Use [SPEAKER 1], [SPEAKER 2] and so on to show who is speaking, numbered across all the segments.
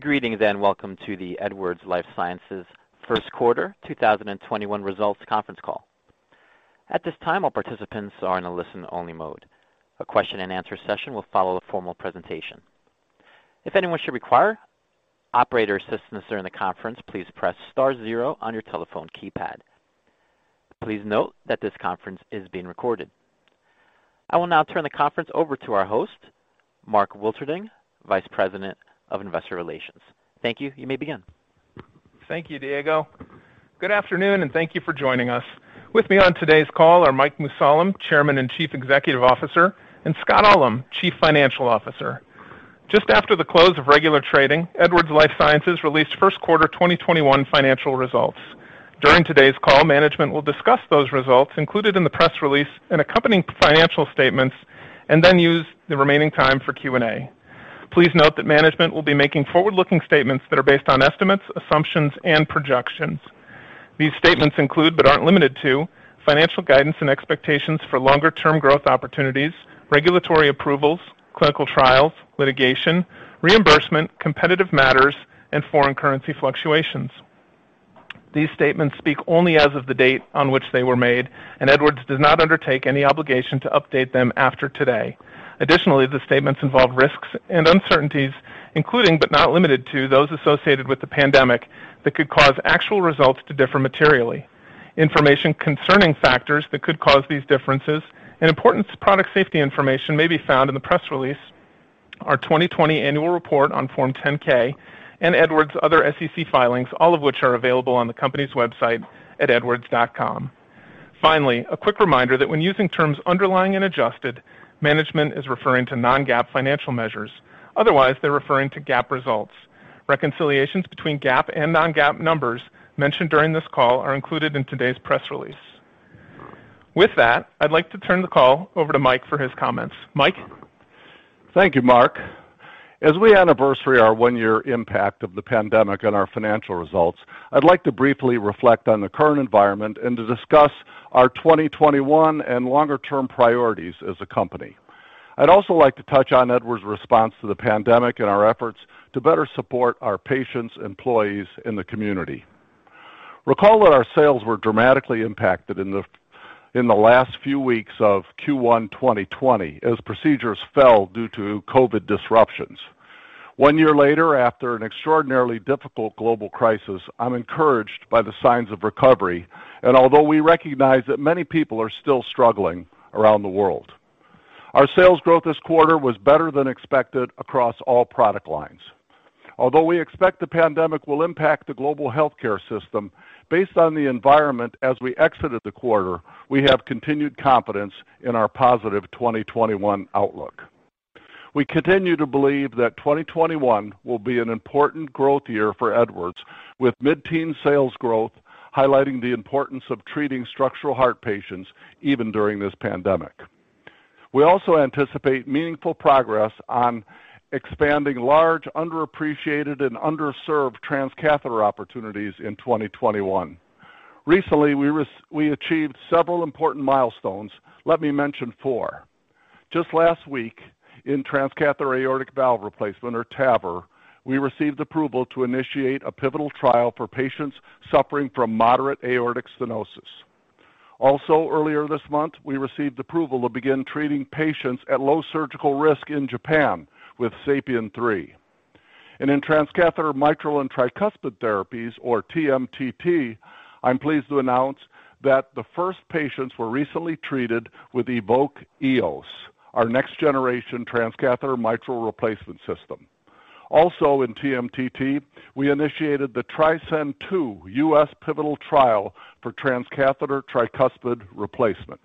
[SPEAKER 1] Greetings, and welcome to the Edwards Lifesciences first quarter 2021 results conference call. At this time, all participants are in a listen-only mode. A question-and-answer session will follow the formal presentation. If anyone should require operator assistance during the conference, please press star zero on your telephone keypad. Please note that this conference is being recorded. I will now turn the conference over to our host, Mark Wilterding, Vice President of Investor Relations. Thank you. You may begin.
[SPEAKER 2] Thank you, Diego. Good afternoon, thank you for joining us. With me on today's call are Mike Mussallem, Chairman and Chief Executive Officer, and Scott Ullem, Chief Financial Officer. Just after the close of regular trading, Edwards Lifesciences released first quarter 2021 financial results. During today's call, management will discuss those results included in the press release and accompanying financial statements and then use the remaining time for Q&A. Please note that management will be making forward-looking statements that are based on estimates, assumptions, and projections. These statements include, but aren't limited to, financial guidance and expectations for longer-term growth opportunities, regulatory approvals, clinical trials, litigation, reimbursement, competitive matters, and foreign currency fluctuations. These statements speak only as of the date on which they were made, Edwards does not undertake any obligation to update them after today. Additionally, the statements involve risks and uncertainties, including but not limited to, those associated with the pandemic that could cause actual results to differ materially. Information concerning factors that could cause these differences and important product safety information may be found in the press release, our 2020 annual report on Form 10-K, and Edwards' other SEC filings, all of which are available on the company's website at edwards.com. Finally, a quick reminder that when using terms underlying and adjusted, management is referring to non-GAAP financial measures. Otherwise, they're referring to GAAP results. Reconciliations between GAAP and non-GAAP numbers mentioned during this call are included in today's press release. With that, I'd like to turn the call over to Mike for his comments. Mike?
[SPEAKER 3] Thank you, Mark. As we anniversary our one-year impact of the pandemic on our financial results, I'd like to briefly reflect on the current environment and to discuss our 2021 and longer-term priorities as a company. I'd also like to touch on Edwards' response to the pandemic and our efforts to better support our patients, employees, and the community. Recall that our sales were dramatically impacted in the last few weeks of Q1 2020 as procedures fell due to COVID disruptions. One year later, after an extraordinarily difficult global crisis, I'm encouraged by the signs of recovery, and although we recognize that many people are still struggling around the world. Our sales growth this quarter was better than expected across all product lines. Although we expect the pandemic will impact the global healthcare system, based on the environment as we exited the quarter, we have continued confidence in our positive 2021 outlook. We continue to believe that 2021 will be an important growth year for Edwards, with mid-teen sales growth highlighting the importance of treating structural heart patients even during this pandemic. We also anticipate meaningful progress on expanding large, underappreciated, and underserved transcatheter opportunities in 2021. Recently, we achieved several important milestones, let me mention four. Just last week in Transcatheter Aortic Valve Replacement, or TAVR, we received approval to initiate a pivotal trial for patients suffering from moderate aortic stenosis. Also earlier this month, we received approval to begin treating patients at low surgical risk in Japan with SAPIEN 3. In Transcatheter Mitral and Tricuspid Therapies, or TMTT, I'm pleased to announce that the first patients were recently treated with EVOQUE Eos, our next-generation transcatheter mitral replacement system. Also in TMTT, we initiated the TRISCEND II U.S. pivotal trial for transcatheter tricuspid replacement.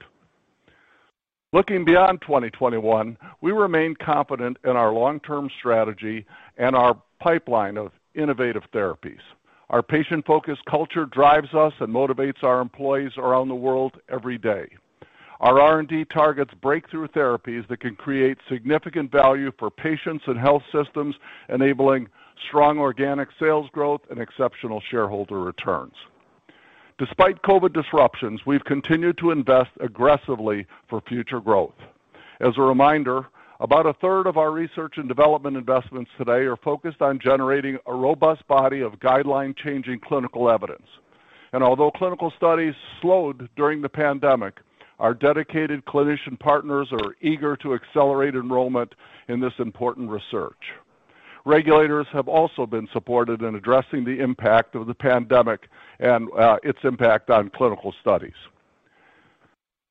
[SPEAKER 3] Looking beyond 2021, we remain confident in our long-term strategy and our pipeline of innovative therapies. Our patient-focused culture drives us and motivates our employees around the world every day. Our R&D targets breakthrough therapies that can create significant value for patients and health systems, enabling strong organic sales growth and exceptional shareholder returns. Despite COVID disruptions, we've continued to invest aggressively for future growth. As a reminder, about 1/3 of our research and development investments today are focused on generating a robust body of guideline-changing clinical evidence. Although clinical studies slowed during the pandemic, our dedicated clinician partners are eager to accelerate enrollment in this important research. Regulators have also been supported in addressing the impact of the pandemic and its impact on clinical studies.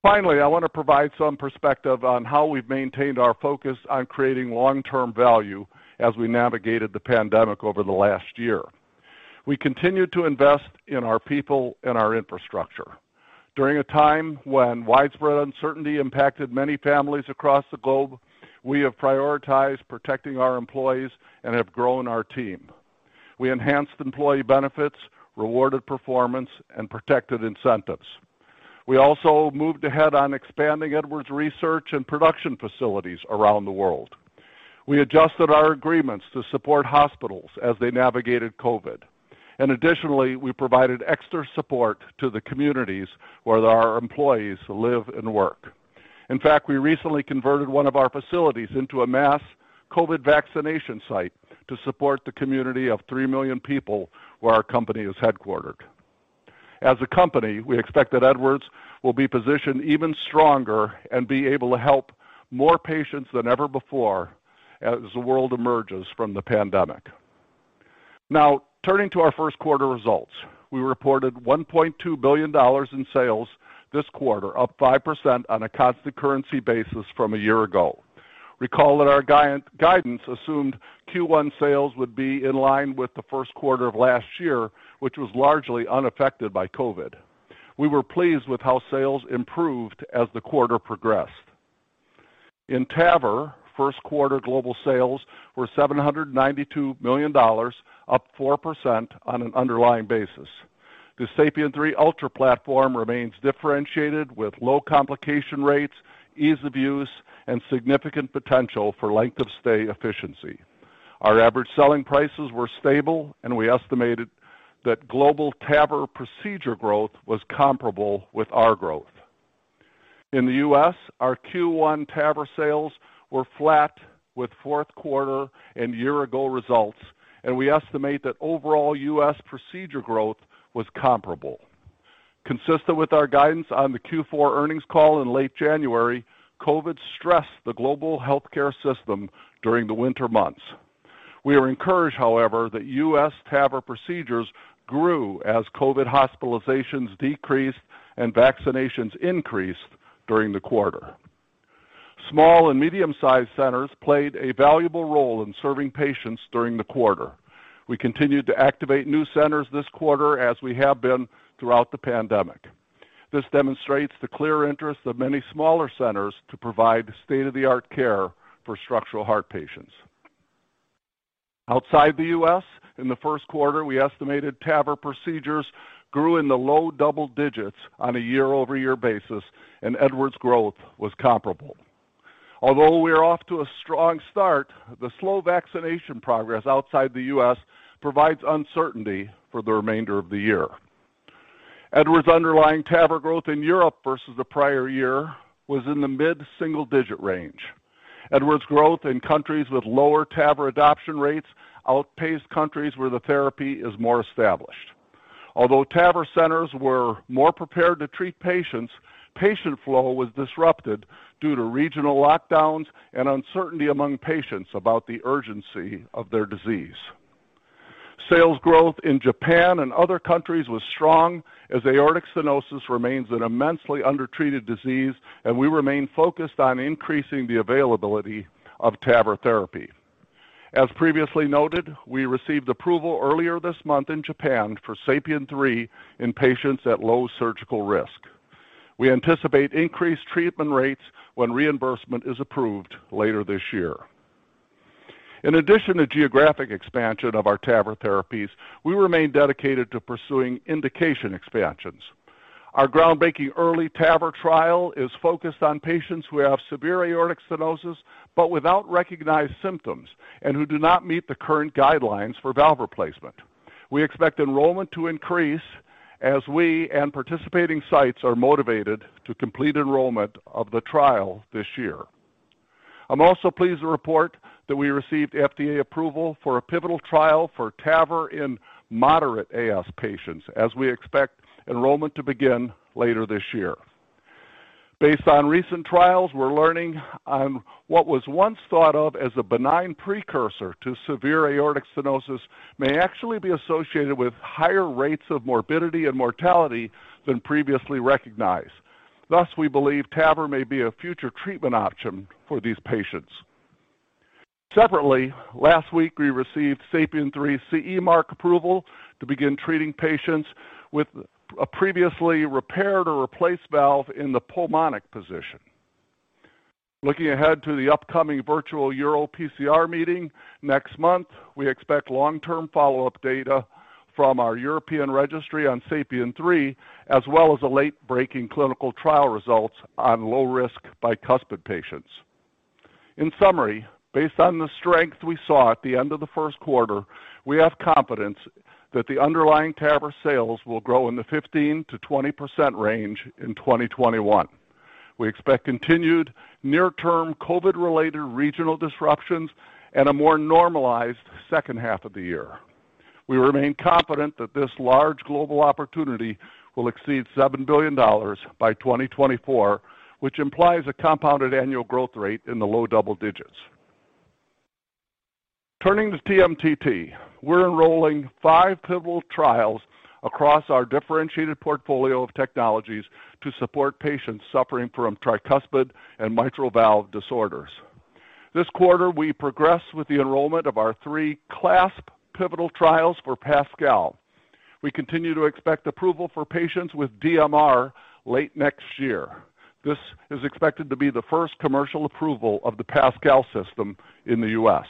[SPEAKER 3] Finally, I want to provide some perspective on how we've maintained our focus on creating long-term value as we navigated the pandemic over the last year. We continued to invest in our people and our infrastructure. During a time when widespread uncertainty impacted many families across the globe, we have prioritized protecting our employees and have grown our team. We enhanced employee benefits, rewarded performance, and protected incentives. We also moved ahead on expanding Edwards research and production facilities around the world. We adjusted our agreements to support hospitals as they navigated COVID. Additionally, we provided extra support to the communities where our employees live and work. In fact, we recently converted one of our facilities into a mass COVID vaccination site to support the community of 3 million people where our company is headquartered. As a company, we expect that Edwards will be positioned even stronger and be able to help more patients than ever before as the world emerges from the pandemic. Now, turning to our first quarter results, we reported $1.2 billion in sales this quarter, up 5% on a constant currency basis from a year ago. Recall that our guidance assumed Q1 sales would be in line with the first quarter of last year, which was largely unaffected by COVID. We were pleased with how sales improved as the quarter progressed. In TAVR, first quarter global sales were $792 million, up 4% on an underlying basis. The SAPIEN 3 Ultra platform remains differentiated with low complication rates, ease of use, and significant potential for length of stay efficiency. Our average selling prices were stable, and we estimated that global TAVR procedure growth was comparable with our growth. In the U.S., our Q1 TAVR sales were flat with fourth quarter and year-ago results, and we estimate that overall U.S. procedure growth was comparable. Consistent with our guidance on the Q4 earnings call in late January, COVID stressed the global healthcare system during the winter months. We are encouraged, however, that U.S. TAVR procedures grew as COVID hospitalizations decreased and vaccinations increased during the quarter.q Small and medium-sized centers played a valuable role in serving patients during the quarter. We continued to activate new centers this quarter as we have been throughout the pandemic. This demonstrates the clear interest of many smaller centers to provide state-of-the-art care for structural heart patients. Outside the U.S., in the first quarter, we estimated TAVR procedures grew in the low double digits on a year-over-year basis, and Edwards' growth was comparable. Although we are off to a strong start, the slow vaccination progress outside the U.S. provides uncertainty for the remainder of the year. Edwards' underlying TAVR growth in Europe versus the prior year was in the mid-single digit range. Edwards' growth in countries with lower TAVR adoption rates outpaced countries where the therapy is more established. Although TAVR centers were more prepared to treat patients, patient flow was disrupted due to regional lockdowns and uncertainty among patients about the urgency of their disease. Sales growth in Japan and other countries was strong as aortic stenosis remains an immensely undertreated disease, and we remain focused on increasing the availability of TAVR therapy. As previously noted, we received approval earlier this month in Japan for SAPIEN 3 in patients at low surgical risk. We anticipate increased treatment rates when reimbursement is approved later this year. In addition to geographic expansion of our TAVR therapies, we remain dedicated to pursuing indication expansions. Our groundbreaking EARLY TAVR trial is focused on patients who have severe aortic stenosis, but without recognized symptoms, and who do not meet the current guidelines for valve replacement. We expect enrollment to increase as we and participating sites are motivated to complete enrollment of the trial this year. I'm also pleased to report that we received FDA approval for a pivotal trial for TAVR in moderate AS patients, as we expect enrollment to begin later this year. Based on recent trials, we're learning on what was once thought of as a benign precursor to severe aortic stenosis may actually be associated with higher rates of morbidity and mortality than previously recognized. Thus, we believe TAVR may be a future treatment option for these patients. Separately, last week, we received SAPIEN 3 CE mark approval to begin treating patients with a previously repaired or replaced valve in the pulmonic position. Looking ahead to the upcoming virtual EuroPCR meeting next month, we expect long-term follow-up data from our European registry on SAPIEN 3, as well as the late-breaking clinical trial results on low-risk bicuspid patients. In summary, based on the strength we saw at the end of the first quarter, we have confidence that the underlying TAVR sales will grow in the 15%-20% range in 2021. We expect continued near-term COVID-related regional disruptions, and a more normalized second half of the year. We remain confident that this large global opportunity will exceed $7 billion by 2024, which implies a compounded annual growth rate in the low double digits. Turning to TMTT, we're enrolling five pivotal trials across our differentiated portfolio of technologies to support patients suffering from tricuspid and mitral valve disorders. This quarter, we progressed with the enrollment of our three CLASP pivotal trials for PASCAL. We continue to expect approval for patients with DMR late next year. This is expected to be the first commercial approval of the PASCAL system in the U.S.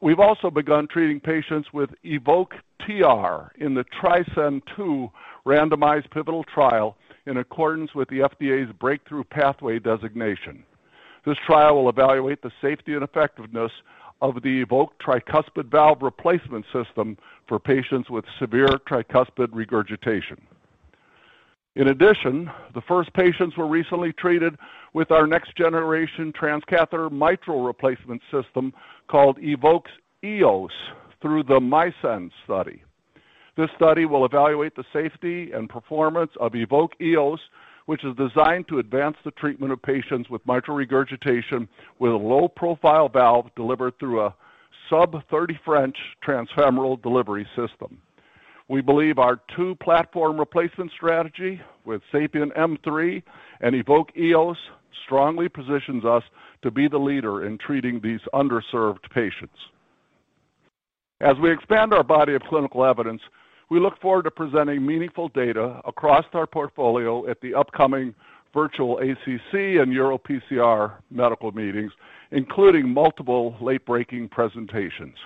[SPEAKER 3] We've also begun treating patients with EVOQUE TR in the TRISCEND II randomized pivotal trial in accordance with the FDA's Breakthrough Pathway designation. This trial will evaluate the safety and effectiveness of the EVOQUE tricuspid valve replacement system for patients with severe tricuspid regurgitation. In addition, the first patients were recently treated with our next-generation transcatheter mitral replacement system called EVOQUE Eos through the MISCEND study. This study will evaluate the safety and performance of EVOQUE Eos, which is designed to advance the treatment of patients with mitral regurgitation with a low-profile valve delivered through a sub-30 French transfemoral delivery system. We believe our two-platform replacement strategy with SAPIEN M3 and EVOQUE Eos strongly positions us to be the leader in treating these underserved patients. As we expand our body of clinical evidence, we look forward to presenting meaningful data across our portfolio at the upcoming virtual ACC and EuroPCR medical meetings, including multiple late-breaking presentations.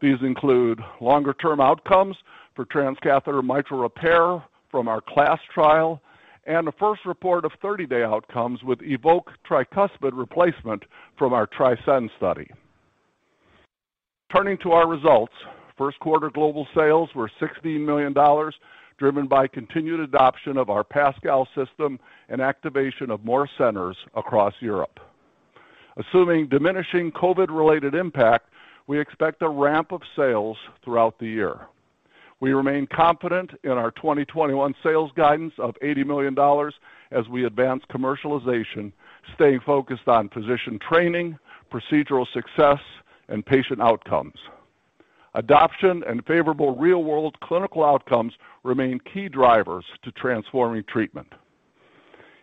[SPEAKER 3] These include longer-term outcomes for transcatheter mitral repair from our CLASP trial and a first report of 30-day outcomes with EVOQUE tricuspid replacement from our TRISCEND study. Turning to our results, first quarter global sales were $16 million, driven by continued adoption of our PASCAL system and activation of more centers across Europe. Assuming diminishing COVID-related impact, we expect a ramp of sales throughout the year. We remain confident in our 2021 sales guidance of $80 million as we advance commercialization, staying focused on physician training, procedural success, and patient outcomes. Adoption and favorable real-world clinical outcomes remain key drivers to transforming treatment.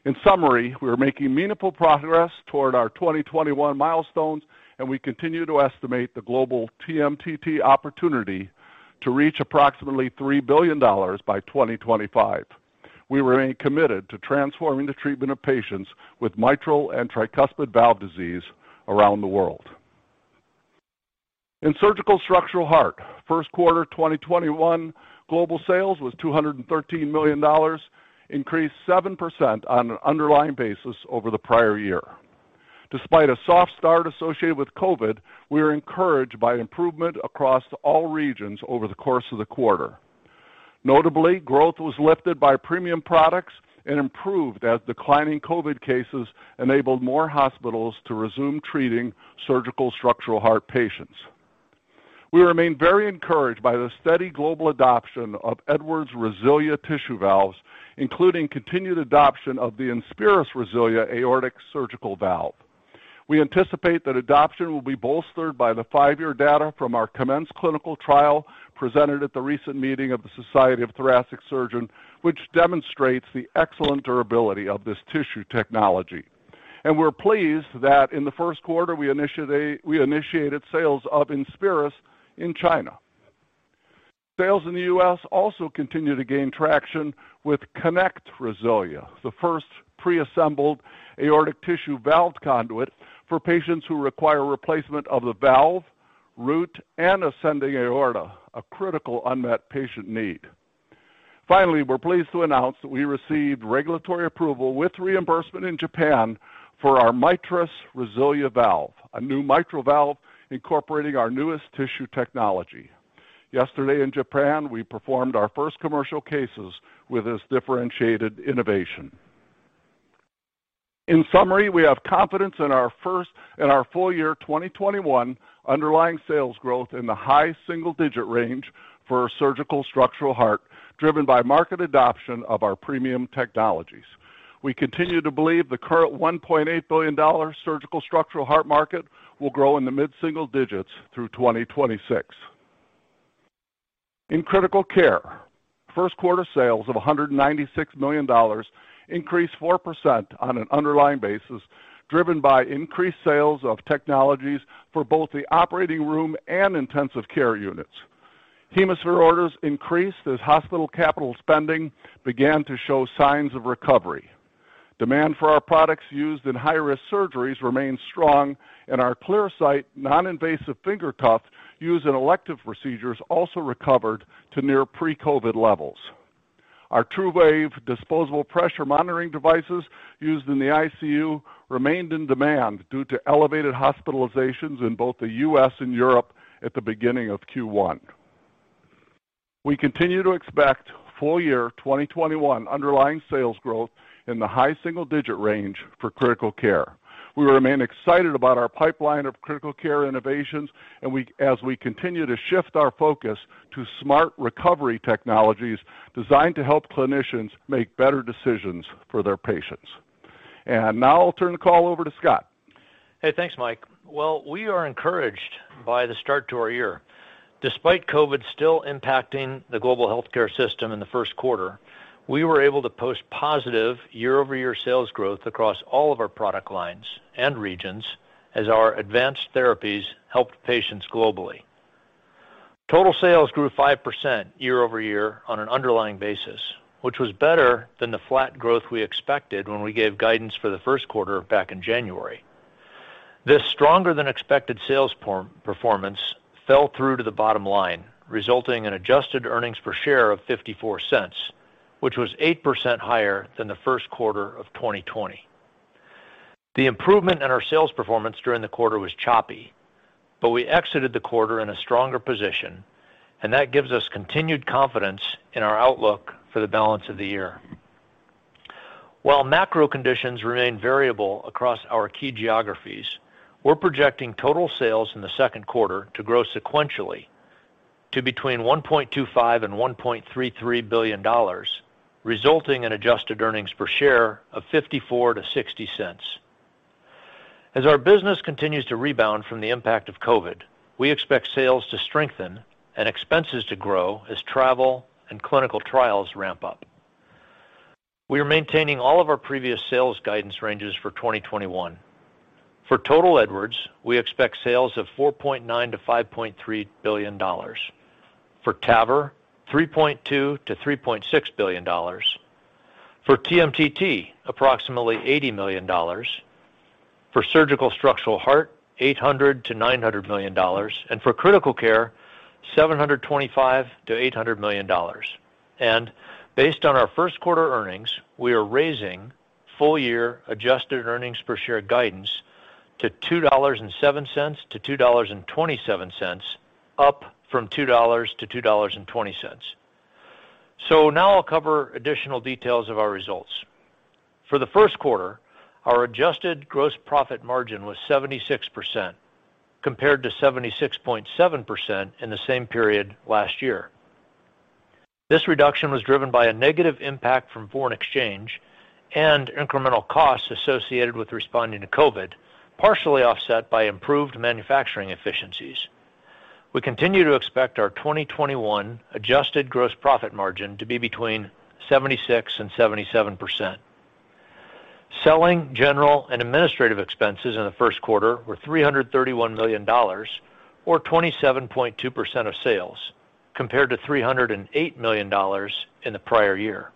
[SPEAKER 3] In summary, we are making meaningful progress toward our 2021 milestones and we continue to estimate the global TMTT opportunity to reach approximately $3 billion by 2025. We remain committed to transforming the treatment of patients with mitral and tricuspid valve disease around the world. In Surgical Structural Heart, first quarter 2021 global sales was $213 million, increased 7% on an underlying basis over the prior year. Despite a soft start associated with COVID, we are encouraged by improvement across all regions over the course of the quarter. Notably, growth was lifted by premium products and improved as declining COVID cases enabled more hospitals to resume treating Surgical Structural Heart patients. We remain very encouraged by the steady global adoption of Edwards' RESILIA tissue valves, including continued adoption of the INSPIRIS RESILIA aortic surgical valve. We anticipate that adoption will be bolstered by the five-year data from our COMMENCE clinical trial presented at the recent meeting of The Society of Thoracic Surgeons, which demonstrates the excellent durability of this tissue technology. We're pleased that in the first quarter, we initiated sales of INSPIRIS in China. Sales in the U.S. also continue to gain traction with KONECT RESILIA, the first preassembled aortic tissue valve conduit for patients who require replacement of the valve, root, and ascending aorta, a critical unmet patient need. Finally, we're pleased to announce that we received regulatory approval with reimbursement in Japan for our MITRIS RESILIA valve, a new mitral valve incorporating our newest tissue technology. Yesterday in Japan, we performed our first commercial cases with this differentiated innovation. In summary, we have confidence in our full year 2021 underlying sales growth in the high single-digit range for Surgical Structural Heart, driven by market adoption of our premium technologies. We continue to believe the current $1.8 billion Surgical Structural Heart market will grow in the mid-single digits through 2026. In Critical Care, first quarter sales of $196 million increased 4% on an underlying basis, driven by increased sales of technologies for both the operating room and intensive care units. HemoSphere orders increased as hospital capital spending began to show signs of recovery. Demand for our products used in high-risk surgeries remained strong, and our ClearSight non-invasive finger cuff used in elective procedures also recovered to near pre-COVID levels. Our TruWave disposable pressure monitoring devices used in the ICU remained in demand due to elevated hospitalizations in both the U.S. and Europe at the beginning of Q1. We continue to expect full-year 2021 underlying sales growth in the high single-digit range for Critical Care. We remain excited about our pipeline of Critical Care innovations as we continue to shift our focus to smart recovery technologies designed to help clinicians make better decisions for their patients. Now I'll turn the call over to Scott.
[SPEAKER 4] Hey, thanks, Mike. Well, we are encouraged by the start to our year. Despite COVID still impacting the global healthcare system in the first quarter, we were able to post positive year-over-year sales growth across all of our product lines and regions as our advanced therapies helped patients globally. Total sales grew 5% year-over-year on an underlying basis, which was better than the flat growth we expected when we gave guidance for the first quarter back in January. This stronger than expected sales performance fell through to the bottom line, resulting in adjusted earnings per share of $0.54, which was 8% higher than the first quarter of 2020. The improvement in our sales performance during the quarter was choppy, but we exited the quarter in a stronger position, and that gives us continued confidence in our outlook for the balance of the year. While macro conditions remain variable across our key geographies, we're projecting total sales in the second quarter to grow sequentially to between $1.25 billion and $1.33 billion, resulting in adjusted earnings per share of $0.54-$0.60. As our business continues to rebound from the impact of COVID, we expect sales to strengthen and expenses to grow as travel and clinical trials ramp up. We are maintaining all of our previous sales guidance ranges for 2021. For total Edwards, we expect sales of $4.9 billion-$5.3 billion. For TAVR, $3.2 billion-$3.6 billion. For TMTT, approximately $80 million. For Surgical Structural Heart, $800 million-$900 million. For Critical Care, $725 million-$800 million. Based on our first quarter earnings, we are raising full-year adjusted earnings per share guidance to $2.07-$2.27, up from $2-$2.20. Now I'll cover additional details of our results. For the first quarter, our adjusted gross profit margin was 76%, compared to 76.7% in the same period last year. This reduction was driven by a negative impact from foreign exchange and incremental costs associated with responding to COVID, partially offset by improved manufacturing efficiencies. We continue to expect our 2021 adjusted gross profit margin to be between 76% and 77%. Selling, general and administrative expenses in the first quarter were $331 million, or 27.2% of sales, compared to $308 million in the prior year.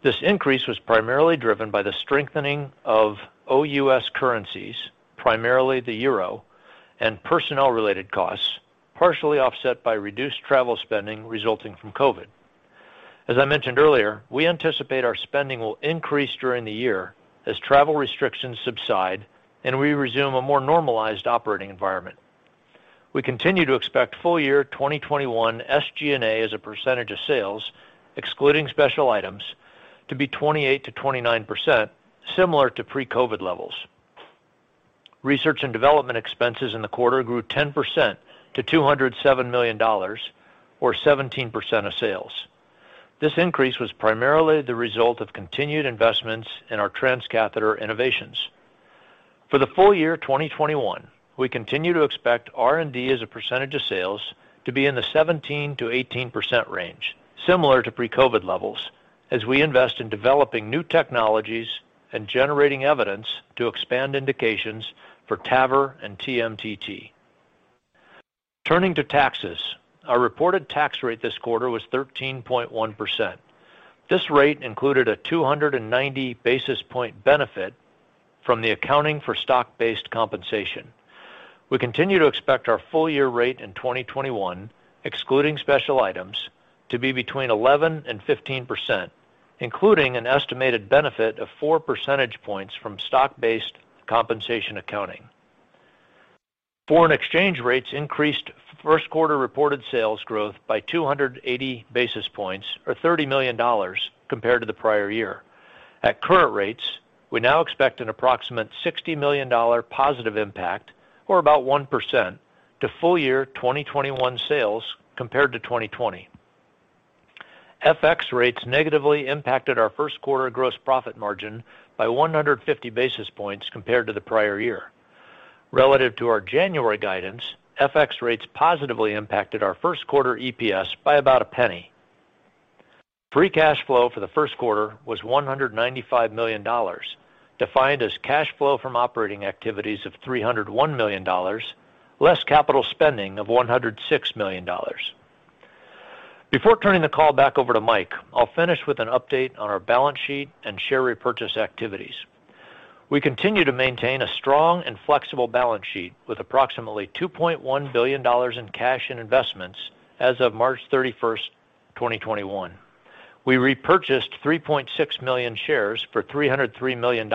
[SPEAKER 4] This increase was primarily driven by the strengthening of OUS currencies, primarily the euro and personnel-related costs, partially offset by reduced travel spending resulting from COVID. As I mentioned earlier, we anticipate our spending will increase during the year as travel restrictions subside and we resume a more normalized operating environment. We continue to expect full-year 2021 SG&A as a percentage of sales, excluding special items, to be 28%-29%, similar to pre-COVID levels. Research and development expenses in the quarter grew 10% to $207 million, or 17% of sales. This increase was primarily the result of continued investments in our transcatheter innovations. For the full year 2021, we continue to expect R&D as a percentage of sales to be in the 17%-18% range, similar to pre-COVID levels, as we invest in developing new technologies and generating evidence to expand indications for TAVR and TMTT. Turning to taxes, our reported tax rate this quarter was 13.1%. This rate included a 290-basis-point benefit from the accounting for stock-based compensation. We continue to expect our full-year rate in 2021, excluding special items, to be between 11% and 15%, including an estimated benefit of 4 percentage points from stock-based compensation accounting. Foreign exchange rates increased first quarter reported sales growth by 280 basis points or $30 million compared to the prior year. At current rates, we now expect an approximate $60 million positive impact, or about 1% to full-year 2021 sales compared to 2020. FX rates negatively impacted our first quarter gross profit margin by 150 basis points compared to the prior year. Relative to our January guidance, FX rates positively impacted our first quarter EPS by about $0.01. Free cash flow for the first quarter was $195 million, defined as cash flow from operating activities of $301 million, less capital spending of $106 million. Before turning the call back over to Mike, I'll finish with an update on our balance sheet and share repurchase activities. We continue to maintain a strong and flexible balance sheet with approximately $2.1 billion in cash and investments as of March 31st, 2021. We repurchased 3.6 million shares for $303 million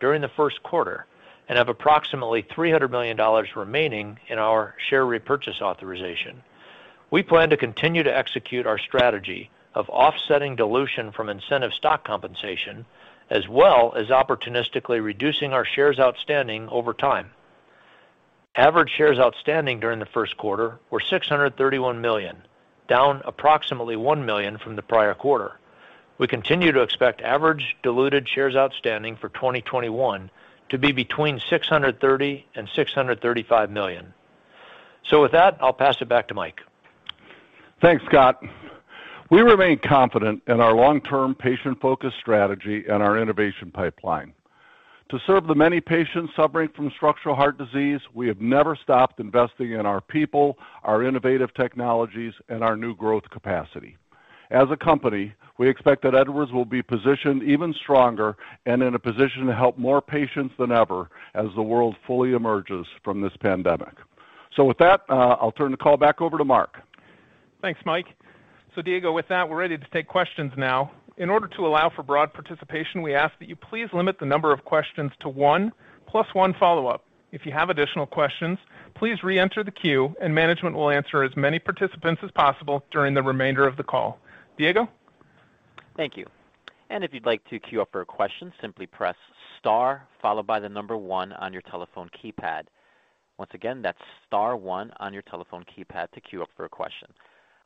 [SPEAKER 4] during the first quarter and have approximately $300 million remaining in our share repurchase authorization. We plan to continue to execute our strategy of offsetting dilution from incentive stock compensation, as well as opportunistically reducing our shares outstanding over time. Average shares outstanding during the first quarter were 631 million, down approximately 1 million from the prior quarter. We continue to expect average diluted shares outstanding for 2021 to be between 630 million and 635 million. With that, I'll pass it back to Mike.
[SPEAKER 3] Thanks, Scott. We remain confident in our long-term, patient-focused strategy and our innovation pipeline. To serve the many patients suffering from structural heart disease, we have never stopped investing in our people, our innovative technologies, and our new growth capacity. As a company, we expect that Edwards will be positioned even stronger and in a position to help more patients than ever as the world fully emerges from this pandemic. With that, I'll turn the call back over to Mark.
[SPEAKER 2] Thanks, Mike. Diego, with that, we're ready to take questions now. In order to allow for broad participation, we ask that you please limit the number of questions to one, plus one follow-up. If you have additional questions, please re-enter the queue and management will answer as many participants as possible during the remainder of the call. Diego?
[SPEAKER 1] Thank you. If you'd like to queue up for a question, simply press star followed by the number one on your telephone keypad. Once again, that's star one on your telephone keypad to queue up for a question.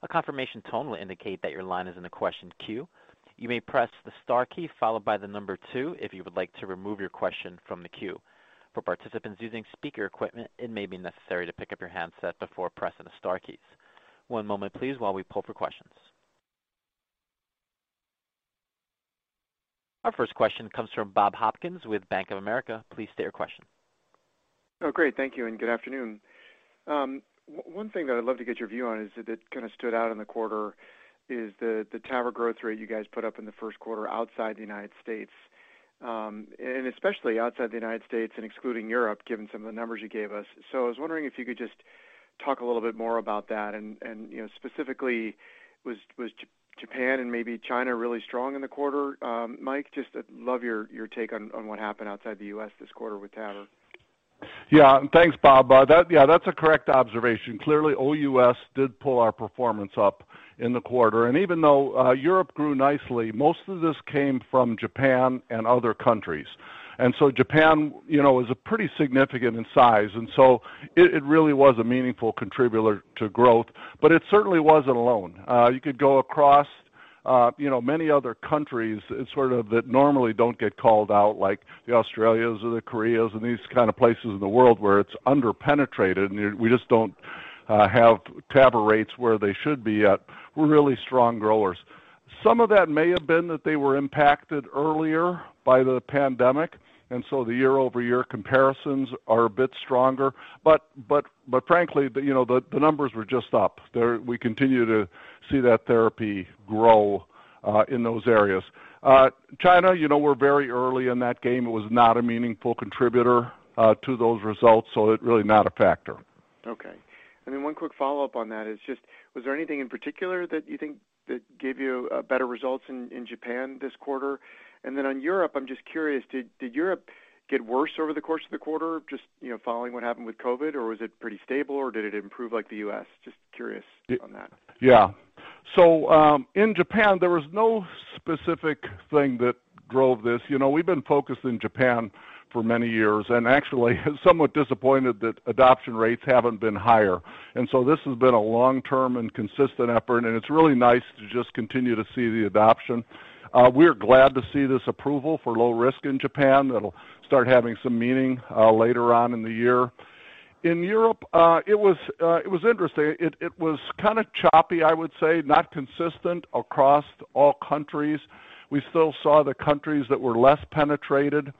[SPEAKER 1] A confirmation tone will indicate that your line is in the question queue. You may press the star key followed by the number two if you would like to remove your question from the queue. For participants using speaker equipment, it may be necessary to pick up your handset before pressing the star keys. One moment please while we pull for questions. Our first question comes from Bob Hopkins with Bank of America. Please state your question.
[SPEAKER 5] Great. Thank you and good afternoon. One thing that I'd love to get your view on is that kind of stood out in the quarter is the TAVR growth rate you guys put up in the first quarter outside the United States, and especially outside the United States and excluding Europe, given some of the numbers you gave us. I was wondering if you could just talk a little bit more about that, and specifically was Japan and maybe China really strong in the quarter? Mike, just love your take on what happened outside the U.S. this quarter with TAVR.
[SPEAKER 3] Yeah. Thanks, Bob. That's a correct observation. Even though Europe grew nicely, most of this came from Japan and other countries. Japan is pretty significant in size, and so it really was a meaningful contributor to growth, but it certainly wasn't alone. You could go across many other countries sort of that normally don't get called out, like the Australias or the Koreas and these kind of places in the world where it's under-penetrated, and we just don't have TAVR rates where they should be at, were really strong growers. Some of that may have been that they were impacted earlier by the pandemic, and so the year-over-year comparisons are a bit stronger. Frankly, the numbers were just up. We continue to see that therapy grow in those areas. China, we're very early in that game. It was not a meaningful contributor to those results, really not a factor.
[SPEAKER 5] Okay. One quick follow-up on that is just, was there anything in particular that you think that gave you better results in Japan this quarter? And then on Europe, I'm just curious, did Europe get worse over the course of the quarter just following what happened with COVID, or was it pretty stable, or did it improve like the U.S.? Just curious on that.
[SPEAKER 3] Yeah. In Japan, there was no specific thing that drove this. We've been focused in Japan for many years and actually somewhat disappointed that adoption rates haven't been higher. This has been a long-term and consistent effort, and it's really nice to just continue to see the adoption. We are glad to see this approval for low risk in Japan. That'll start having some meaning later on in the year. In Europe, it was interesting. It was kind of choppy, I would say, not consistent across all countries. We still saw the countries that were less penetrated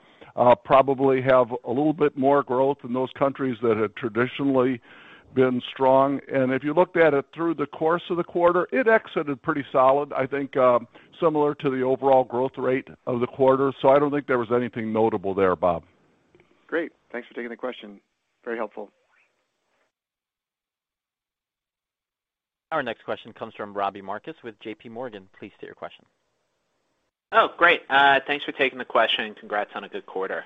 [SPEAKER 3] probably have a little bit more growth than those countries that had traditionally been strong. If you looked at it through the course of the quarter, it exited pretty solid. I think, similar to the overall growth rate of the quarter. I don't think there was anything notable there, Bob.
[SPEAKER 5] Great. Thanks for taking the question. Very helpful.
[SPEAKER 1] Our next question comes from Robbie Marcus with JPMorgan. Please state your question.
[SPEAKER 6] Great. Thanks for taking the question and congrats on a good quarter.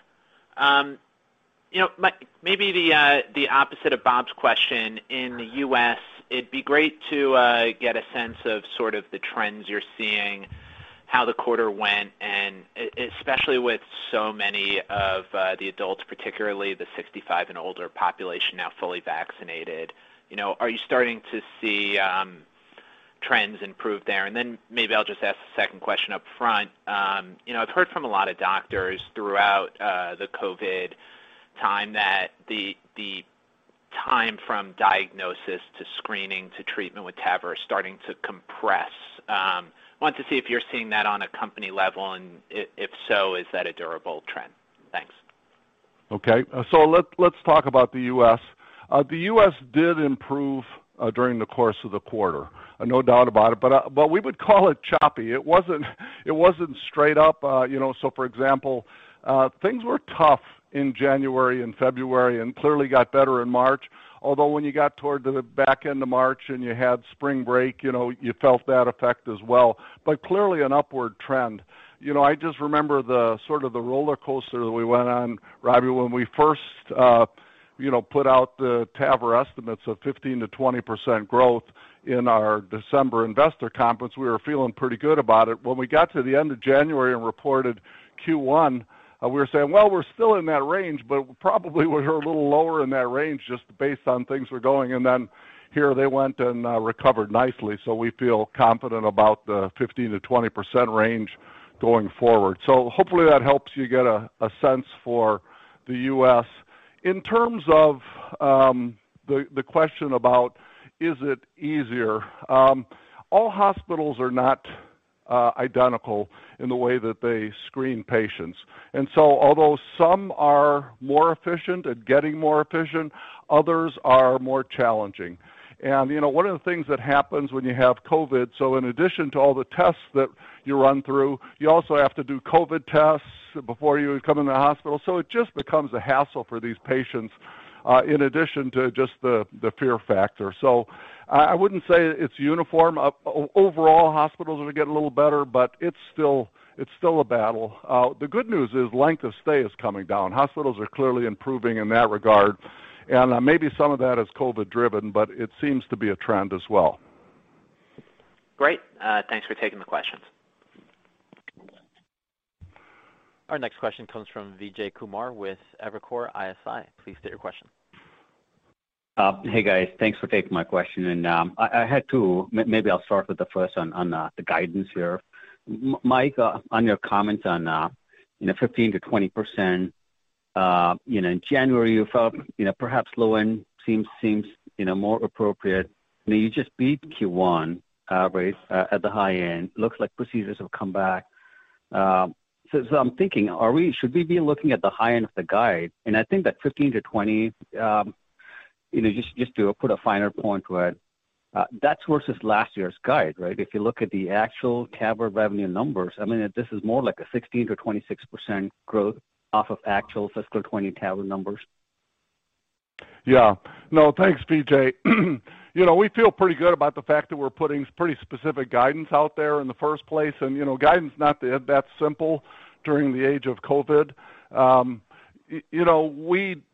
[SPEAKER 6] Mike, maybe the opposite of Bob's question. In the U.S., it'd be great to get a sense of sort of the trends you're seeing, how the quarter went, and especially with so many of the adults, particularly the 65 and older population now fully vaccinated. Are you starting to see trends improve there? Then maybe I'll just ask the second question upfront. I've heard from a lot of doctors throughout the COVID time that the time from diagnosis to screening to treatment with TAVR is starting to compress. I wanted to see if you're seeing that on a company level, and if so, is that a durable trend? Thanks.
[SPEAKER 3] Okay. Let's talk about the U.S. The U.S. did improve during the course of the quarter, no doubt about it. We would call it choppy. It wasn't straight up. For example, things were tough in January and February, and clearly got better in March. Although when you got toward the back end of March and you had spring break, you felt that effect as well, but clearly an upward trend. I just remember the sort of the roller coaster that we went on, Robbie, when we first put out the TAVR estimates of 15%-20% growth in our December investor conference, we were feeling pretty good about it. When we got to the end of January and reported Q1, we were saying, "Well, we're still in that range, but probably we're a little lower in that range just based on things were going." And then here they went and recovered nicely. We feel confident about the 15%-20% range going forward. Hopefully that helps you get a sense for the U.S. In terms of the question about is it easier? All hospitals are not identical in the way that they screen patients and so although some are more efficient at getting more efficient, others are more challenging. One of the things that happens when you have COVID, in addition to all the tests that you run through, you also have to do COVID tests before you come in the hospital. It just becomes a hassle for these patients, in addition to just the fear factor. I wouldn't say it's uniform. Overall, hospitals are getting a little better, but it's still a battle. The good news is length of stay is coming down. Hospitals are clearly improving in that regard. Maybe some of that is COVID driven, but it seems to be a trend as well.
[SPEAKER 6] Great. Thanks for taking the questions.
[SPEAKER 1] Our next question comes from Vijay Kumar with Evercore ISI. Please state your question.
[SPEAKER 7] Hey, guys. Thanks for taking my question. I had two. Maybe I'll start with the first one on the guidance here. Mike, on your comments on 15%-20%, in January you felt perhaps low end seems more appropriate and you just beat Q1 average at the high end. Looks like procedures have come back. I'm thinking, should we be looking at the high end of the guide? I think that 15%-20%, just to put a finer point to it, that's versus last year's guide, right? If you look at the actual TAVR revenue numbers, I mean, this is more like a 16%-26% growth off of actual fiscal 2020 TAVR numbers.
[SPEAKER 3] Yeah. No, thanks, Vijay. We feel pretty good about the fact that we're putting pretty specific guidance out there in the first place. Guidance is not that simple during the age of COVID.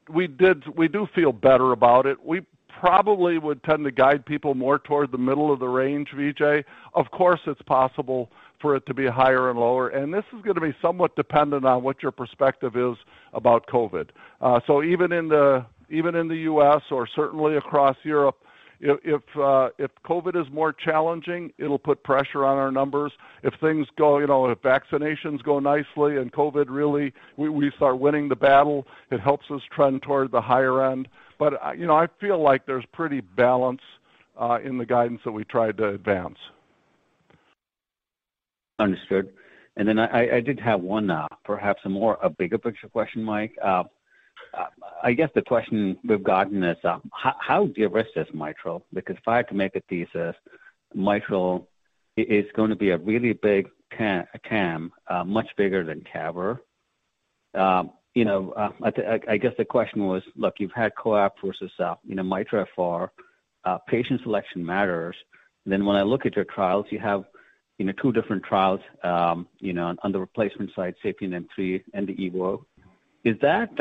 [SPEAKER 3] We do feel better about it. We probably would tend to guide people more toward the middle of the range, Vijay. Of course, it's possible for it to be higher and lower. This is going to be somewhat dependent on what your perspective is about COVID. Even in the U.S. or certainly across Europe, if COVID is more challenging, it'll put pressure on our numbers. If vaccinations go nicely, COVID really, we start winning the battle, it helps us trend towards the higher end. I feel like there's pretty balance in the guidance that we tried to advance.
[SPEAKER 7] Understood. I did have one perhaps a bigger picture question, Mike. I guess the question we've gotten is how de-risked is mitral? If I had to make a thesis, mitral is going to be a really big TAM, much bigger than TAVR. I guess the question was, "Look, you've had COAPT versus MITRA-FR. Patient selection matters." When I look at your trials, you have two different trials on the replacement side, SAPIEN 3 and the EVOQUE. Is that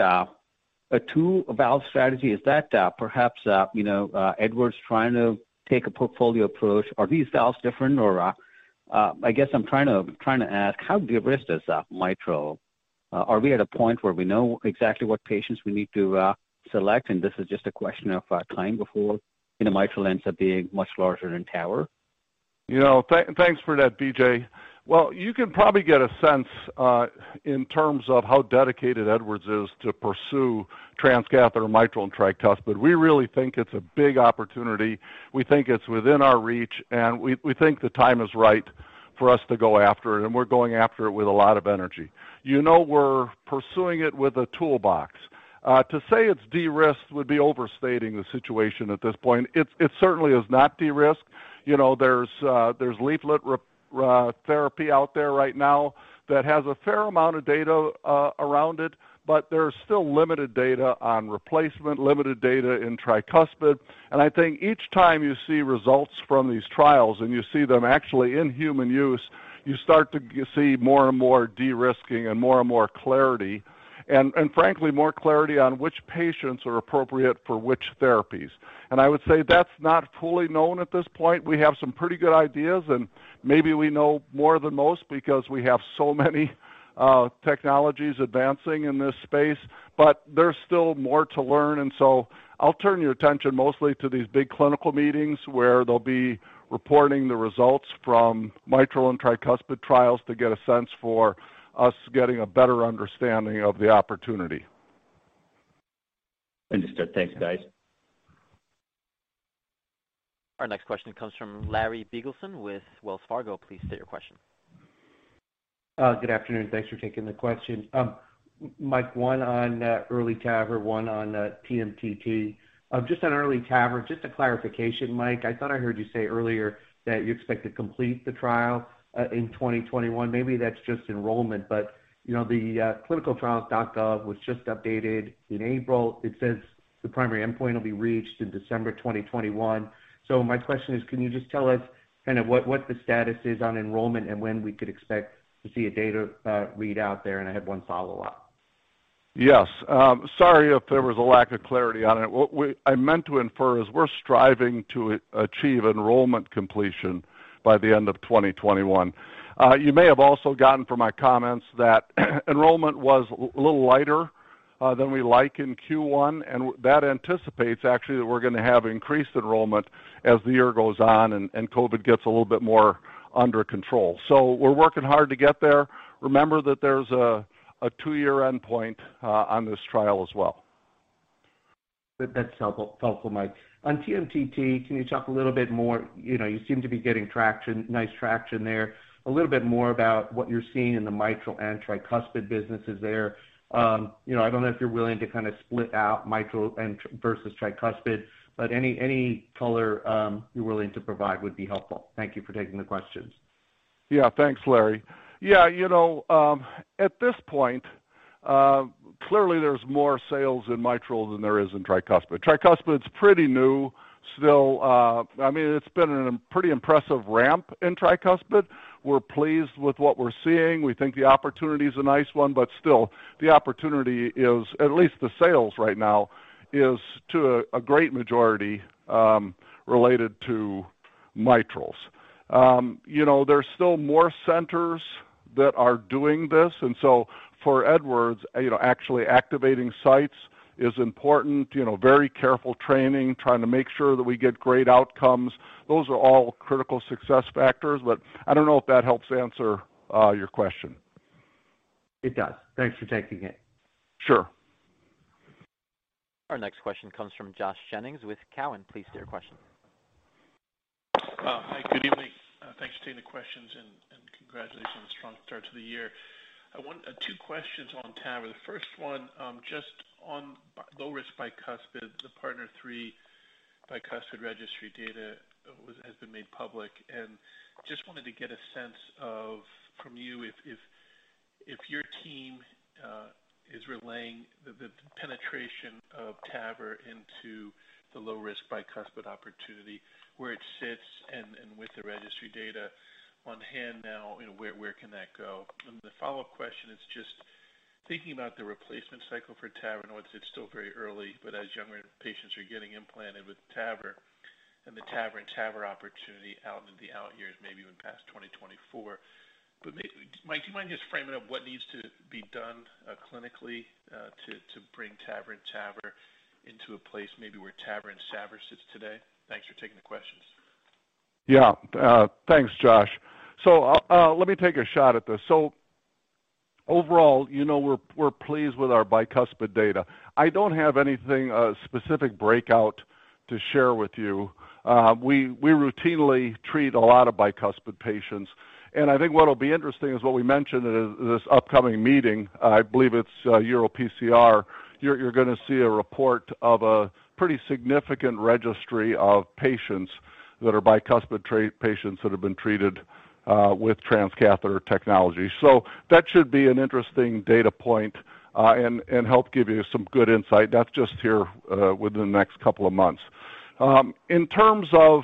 [SPEAKER 7] a two-valve strategy? Is that perhaps Edwards trying to take a portfolio approach? Are these valves different? I guess I'm trying to ask, how de-risked is mitral? Are we at a point where we know exactly what patients we need to select, and this is just a question of time before mitral ends up being much larger than TAVR?
[SPEAKER 3] Thanks for that, Vijay. Well, you can probably get a sense in terms of how dedicated Edwards is to pursue transcatheter mitral and tricuspid. We really think it's a big opportunity. We think it's within our reach, and we think the time is right for us to go after it, and we're going after it with a lot of energy. You know we're pursuing it with a toolbox. To say it's de-risked would be overstating the situation at this point. It certainly is not de-risked. There's leaflet therapy out there right now that has a fair amount of data around it, but there's still limited data on replacement, limited data in tricuspid. I think each time you see results from these trials, and you see them actually in human use, you start to see more and more de-risking and more and more clarity. Frankly, more clarity on which patients are appropriate for which therapies. I would say that's not fully known at this point. We have some pretty good ideas, and maybe we know more than most because we have so many technologies advancing in this space. There's still more to learn. I'll turn your attention mostly to these big clinical meetings where they'll be reporting the results from mitral and tricuspid trials to get a sense for us getting a better understanding of the opportunity.
[SPEAKER 7] Understood. Thanks, guys.
[SPEAKER 1] Our next question comes from Larry Biegelsen with Wells Fargo. Please state your question.
[SPEAKER 8] Good afternoon. Thanks for taking the question. Mike, one on EARLY TAVR, one on TMTT. Just on EARLY TAVR, just a clarification, Mike. I thought I heard you say earlier that you expect to complete the trial in 2021. Maybe that's just enrollment, but the ClinicalTrials.gov was just updated in April. It says the primary endpoint will be reached in December 2021. My question is, can you just tell us kind of what the status is on enrollment and when we could expect to see a data readout there? I had one follow-up.
[SPEAKER 3] Yes. Sorry if there was a lack of clarity on it. What I meant to infer is we're striving to achieve enrollment completion by the end of 2021. you may have also gotten from my comments that enrollment was a little lighter than we like in Q1. That anticipates actually that we're going to have increased enrollment as the year goes on and COVID gets a little bit more under control. We're working hard to get there. Remember that there's a two-year endpoint on this trial as well.
[SPEAKER 8] That's helpful, Mike. On TMTT, can you talk a little bit more? You seem to be getting nice traction there. A little bit more about what you're seeing in the mitral and tricuspid businesses there. I don't know if you're willing to kind of split out mitral versus tricuspid, but any color you're willing to provide would be helpful. Thank you for taking the questions.
[SPEAKER 3] Yeah. Thanks, Larry. Yeah. At this point, clearly there's more sales in mitral than there is in tricuspid. Tricuspid's pretty new, still. It's been in a pretty impressive ramp in tricuspid. We're pleased with what we're seeing. We think the opportunity's a nice one, but still, the opportunity is, at least the sales right now is, to a great majority, related to mitrals. There's still more centers that are doing this, and so for Edwards, actually activating sites is important. Very careful training, trying to make sure that we get great outcomes. Those are all critical success factors, but I don't know if that helps answer your question.
[SPEAKER 8] It does. Thanks for taking it.
[SPEAKER 3] Sure.
[SPEAKER 1] Our next question comes from Josh Jennings with Cowen. Please state your question.
[SPEAKER 9] Hi, good evening. Thanks for taking the questions and congratulations on the strong start to the year. I want two questions on TAVR. The first one just on low risk bicuspid, the PARTNER 3 Bicuspid Registry data has been made public, and just wanted to get a sense from you if your team is relaying the penetration of TAVR into the low risk bicuspid opportunity, where it sits and with the registry data on hand now, where can that go? The follow-up question is just thinking about the replacement cycle for TAVR. I know I said it's still very early, as younger patients are getting implanted with TAVR and the TAVR-in-TAVR opportunity out into the out years, maybe even past 2024. Mike, do you mind just framing up what needs to be done clinically to bring TAVR-in-TAVR into a place maybe where TAVR-in-SAVR sits today? Thanks for taking the questions.
[SPEAKER 3] Yeah. Thanks, Josh. Let me take a shot at this. Overall, we're pleased with our bicuspid data. I don't have anything, a specific breakout to share with you. We routinely treat a lot of bicuspid patients, and I think what'll be interesting is what we mentioned at this upcoming meeting, I believe it's EuroPCR. You're going to see a report of a pretty significant registry of patients that are bicuspid patients that have been treated with transcatheter technology. That should be an interesting data point, and help give you some good insight. That's just here within the next couple of months. In terms of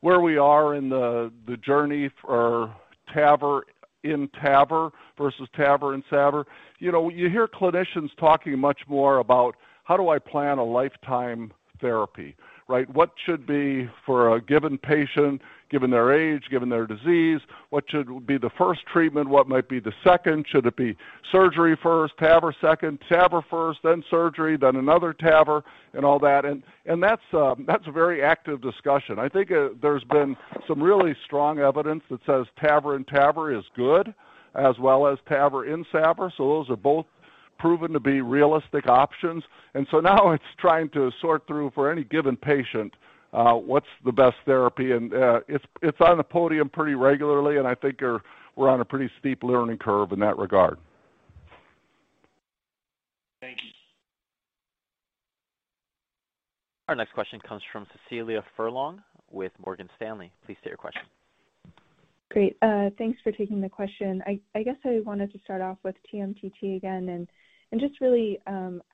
[SPEAKER 3] where we are in the journey for TAVR in TAVR versus TAVR in SAVR, you hear clinicians talking much more about how do I plan a lifetime therapy, right? What should be for a given patient, given their age, given their disease, what should be the first treatment? What might be the second? Should it be surgery first, TAVR second? TAVR first, then surgery, then another TAVR and all that? That's a very active discussion. I think there's been some really strong evidence that says TAVR in TAVR is good, as well as TAVR in SAVR. Those are both proven to be realistic options. Now it's trying to sort through for any given patient what's the best therapy, and it's on the podium pretty regularly, and I think we're on a pretty steep learning curve in that regard.
[SPEAKER 9] Thank you.
[SPEAKER 1] Our next question comes from Cecilia Furlong with Morgan Stanley. Please state your question.
[SPEAKER 10] Great. Thanks for taking the question. I guess I wanted to start up with TMTT again, and just really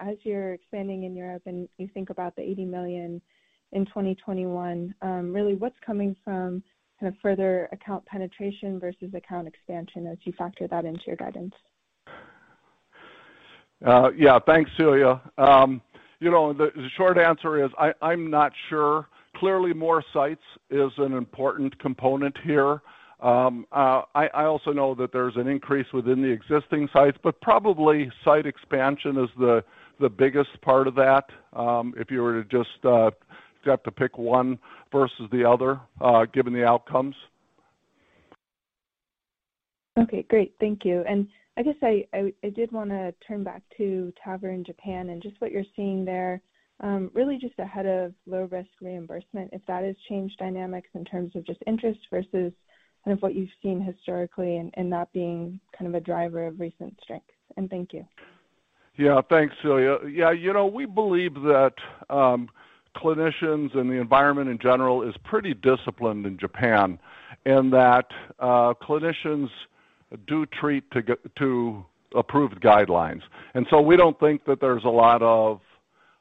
[SPEAKER 10] as you're expanding in Europe and you think about the $80 million in 2021, really what's coming from kind of further account penetration versus account expansion as you factor that into your guidance?
[SPEAKER 3] Yeah. Thanks, Cecilia. The short answer is I'm not sure. Clearly, more sites is an important component here. I also know that there's an increase within the existing sites, but probably site expansion is the biggest part of that if you were to just have to pick one versus the other given the outcomes.
[SPEAKER 10] Okay, great. Thank you. I guess I did want to turn back to TAVR in Japan and just what you're seeing there. Really just ahead of low risk reimbursement, if that has changed dynamics in terms of just interest versus kind of what you've seen historically and that being kind of a driver of recent strength. Thank you.
[SPEAKER 3] Thanks, Cecilia. We believe that clinicians and the environment in general is pretty disciplined in Japan and that clinicians do treat to approved guidelines. We don't think that there's a lot of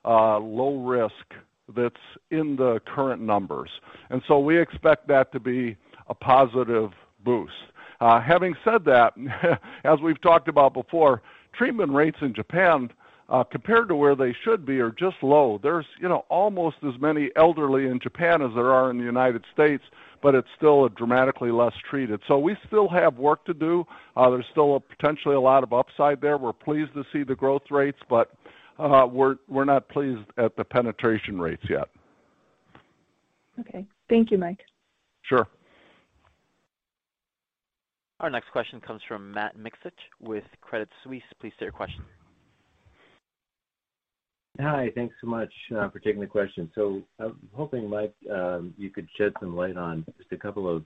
[SPEAKER 3] low risk that's in the current numbers and so we expect that to be a positive boost. Having said that as we've talked about before, treatment rates in Japan compared to where they should be are just low. There's almost as many elderly in Japan as there are in the United States but it's still dramatically less treated. We still have work to do. There's still potentially a lot of upside there. We're pleased to see the growth rates, but we're not pleased at the penetration rates yet.
[SPEAKER 10] Okay. Thank you, Mike.
[SPEAKER 3] Sure.
[SPEAKER 1] Our next question comes from Matt Miksic with Credit Suisse. Please state your question.
[SPEAKER 11] Hi. Thanks so much for taking the question. I was hoping, Mike, you could shed some light on just a couple of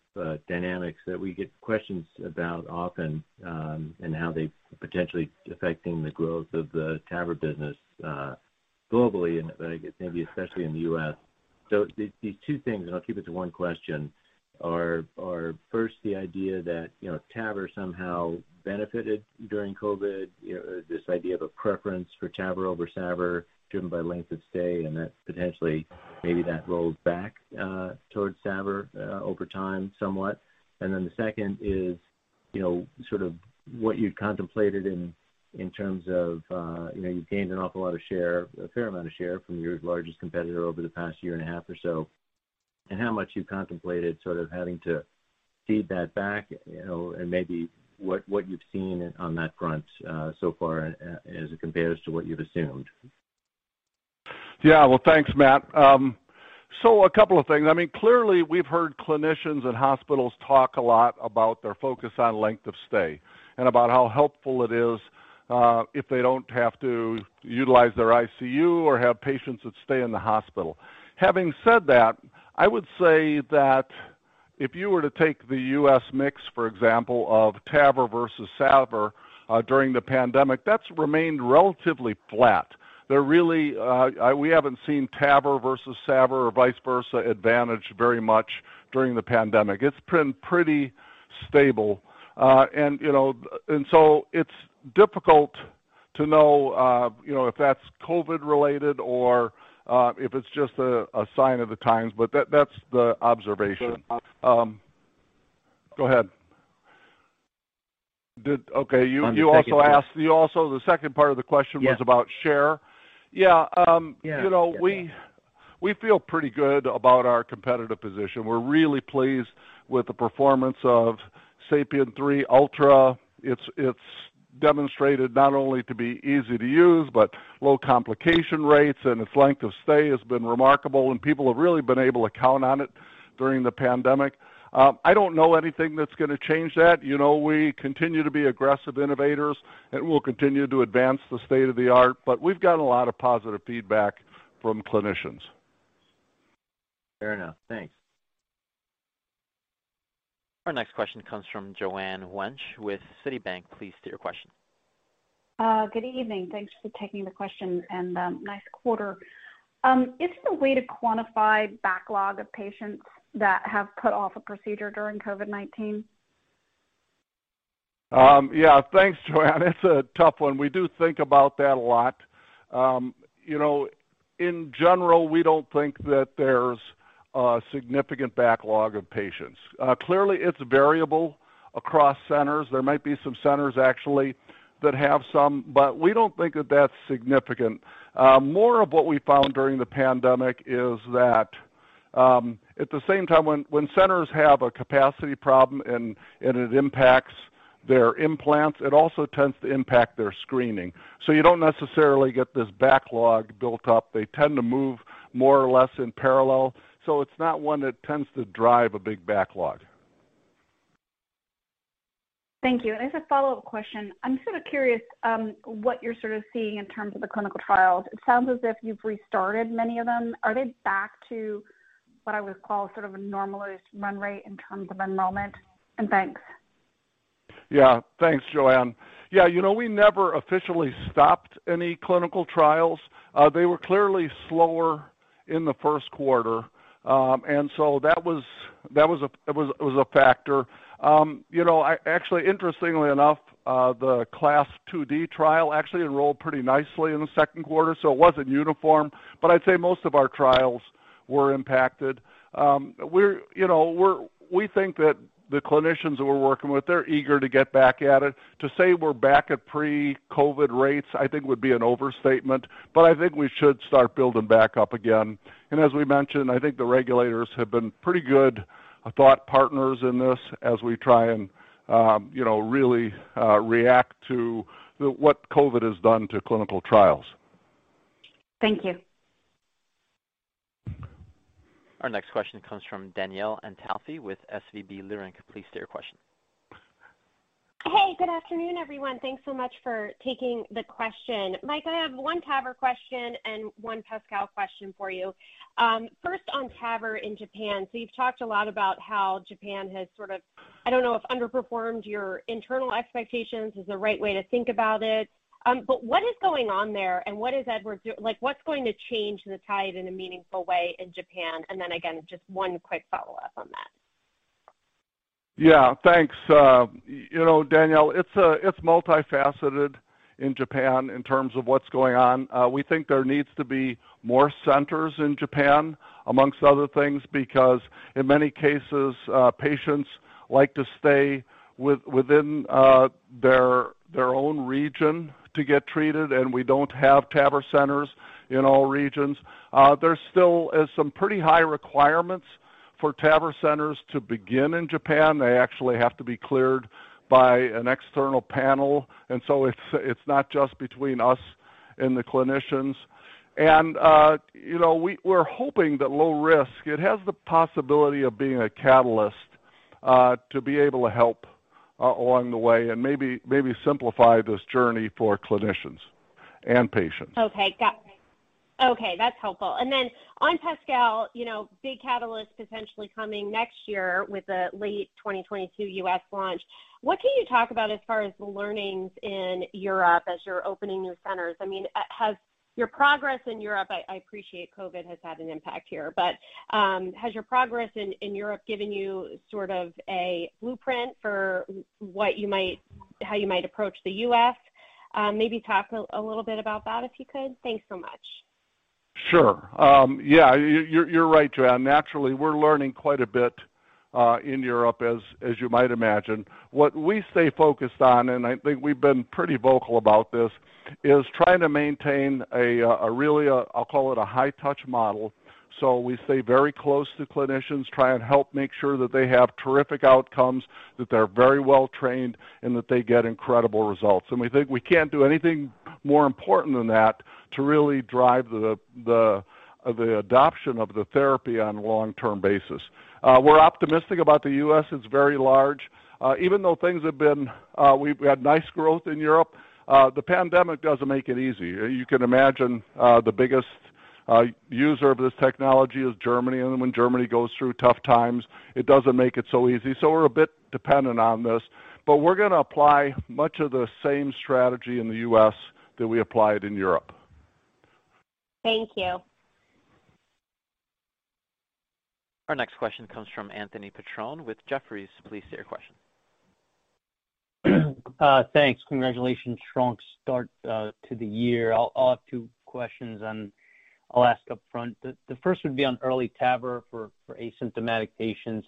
[SPEAKER 11] dynamics that we get questions about often, and how they're potentially affecting the growth of the TAVR business globally, and I guess maybe especially in the U.S. These two things, and I'll keep it to one question, are first the idea that TAVR somehow benefited during COVID, this idea of a preference for TAVR over SAVR driven by length of stay, and that potentially maybe that rolls back towards SAVR over time somewhat. The second is sort of what you contemplated in terms of you've gained an awful lot of share, a fair amount of share from your largest competitor over the past year and a half or so, and how much you contemplated sort of having to cede that back, and maybe what you've seen on that front so far as it compares to what you've assumed?
[SPEAKER 3] Yeah. Well, thanks, Matt. A couple of things. Clearly, we've heard clinicians and hospitals talk a lot about their focus on length of stay and about how helpful it is if they don't have to utilize their ICU or have patients that stay in the hospital. Having said that, I would say that if you were to take the U.S. mix, for example, of TAVR versus SAVR during the pandemic, that's remained relatively flat. We haven't seen TAVR versus SAVR or vice versa advantage very much during the pandemic. It's been pretty stable. It's difficult to know if that's COVID-related or if it's just a sign of the times, but that's the observation. Go ahead. Okay. The second part of the question was about share.
[SPEAKER 11] Yeah.
[SPEAKER 3] Yeah. We feel pretty good about our competitive position. We're really pleased with the performance of SAPIEN 3 Ultra. It's demonstrated not only to be easy to use, but low complication rates, and its length of stay has been remarkable, and people have really been able to count on it during the pandemic. I don't know anything that's going to change that. We continue to be aggressive innovators, and we'll continue to advance the state-of-the-art, but we've got a lot of positive feedback from clinicians.
[SPEAKER 11] Fair enough. Thanks.
[SPEAKER 1] Our next question comes from Joanne Wuensch with Citibank. Please state your question.
[SPEAKER 12] Good evening. Thanks for taking the question, and nice quarter. Is there a way to quantify backlog of patients that have put off a procedure during COVID-19?
[SPEAKER 3] Thanks, Joanne. It's a tough one. We do think about that a lot. In general, we don't think that there's a significant backlog of patients. Clearly, it's variable across centers. There might be some centers actually that have some, but we don't think that that's significant. More of what we found during the pandemic is that at the same time when centers have a capacity problem and it impacts their implants, it also tends to impact their screening. You don't necessarily get this backlog built up. They tend to move more or less in parallel. It's not one that tends to drive a big backlog.
[SPEAKER 12] Thank you. As a follow-up question, I'm sort of curious what you're sort of seeing in terms of the clinical trials. It sounds as if you've restarted many of them. Are they back to what I would call sort of a normalized run rate in terms of enrollment? Thanks.
[SPEAKER 3] Yeah. Thanks, Joanne. We never officially stopped any clinical trials. They were clearly slower in the first quarter and so that was a factor. Actually, interestingly enough, the CLASP IID trial actually enrolled pretty nicely in the second quarter. It wasn't uniform. I'd say most of our trials were impacted. We think that the clinicians that we're working with, they're eager to get back at it. To say we're back at pre-COVID rates, I think would be an overstatement. I think we should start building back up again. As we mentioned, I think the regulators have been pretty good thought partners in this as we try and really react to what COVID has done to clinical trials.
[SPEAKER 12] Thank you.
[SPEAKER 1] Our next question comes from Danielle Antalffy with SVB Leerink. Please state your question.
[SPEAKER 13] Hey, good afternoon, everyone. Thanks so much for taking the question. Mike, I have one TAVR question and one PASCAL question for you. First on TAVR in Japan. You've talked a lot about how Japan has sort of, I don't know, if underperformed your internal expectations is the right way to think about it. What is going on there and what is Edwards doing? What's going to change the tide in a meaningful way in Japan? Again, just one quick follow-up on that.
[SPEAKER 3] Yeah. Thanks. Danielle, it's multifaceted in Japan in terms of what's going on. We think there needs to be more centers in Japan, amongst other things, because in many cases, patients like to stay within their own region to get treated, and we don't have TAVR centers in all regions. There's still some pretty high requirements for TAVR centers to begin in Japan. They actually have to be cleared by an external panel and so it's not just between us in the clinicians. We're hoping that low-risk, it has the possibility of being a catalyst to be able to help along the way and maybe simplify this journey for clinicians and patients.
[SPEAKER 13] Okay, got it. Okay, that's helpful. Then on PASCAL, big catalyst potentially coming next year with a late 2022 U.S. launch. What can you talk about as far as learnings in Europe as you're opening new centers? Has your progress in Europe. I appreciate COVID has had an impact here, but has your progress in Europe given you sort of a blueprint for how you might approach the U.S.? Maybe talk a little bit about that if you could. Thanks so much.
[SPEAKER 3] Sure. Yeah, you're right, Joanne. Naturally, we're learning quite a bit in Europe as you might imagine. What we stay focused on, I think we've been pretty vocal about this, is trying to maintain a really, I'll call it a high touch model. We stay very close to clinicians, try and help make sure that they have terrific outcomes, that they're very well trained, and that they get incredible results. We think we can't do anything more important than that to really drive the adoption of the therapy on a long-term basis. We're optimistic about the U.S. It's very large. Even though we've had nice growth in Europe, the pandemic doesn't make it easy. You can imagine the biggest user of this technology is Germany, and when Germany goes through tough times, it doesn't make it so easy. We're a bit dependent on this, but we're going to apply much of the same strategy in the U.S. that we applied in Europe.
[SPEAKER 13] Thank you.
[SPEAKER 1] Our next question comes from Anthony Petrone with Jefferies. Please state your question.
[SPEAKER 14] Thanks. Congratulations. Strong start to the year. I'll have two questions, I'll ask upfront. The first would be on EARLY TAVR for asymptomatic patients.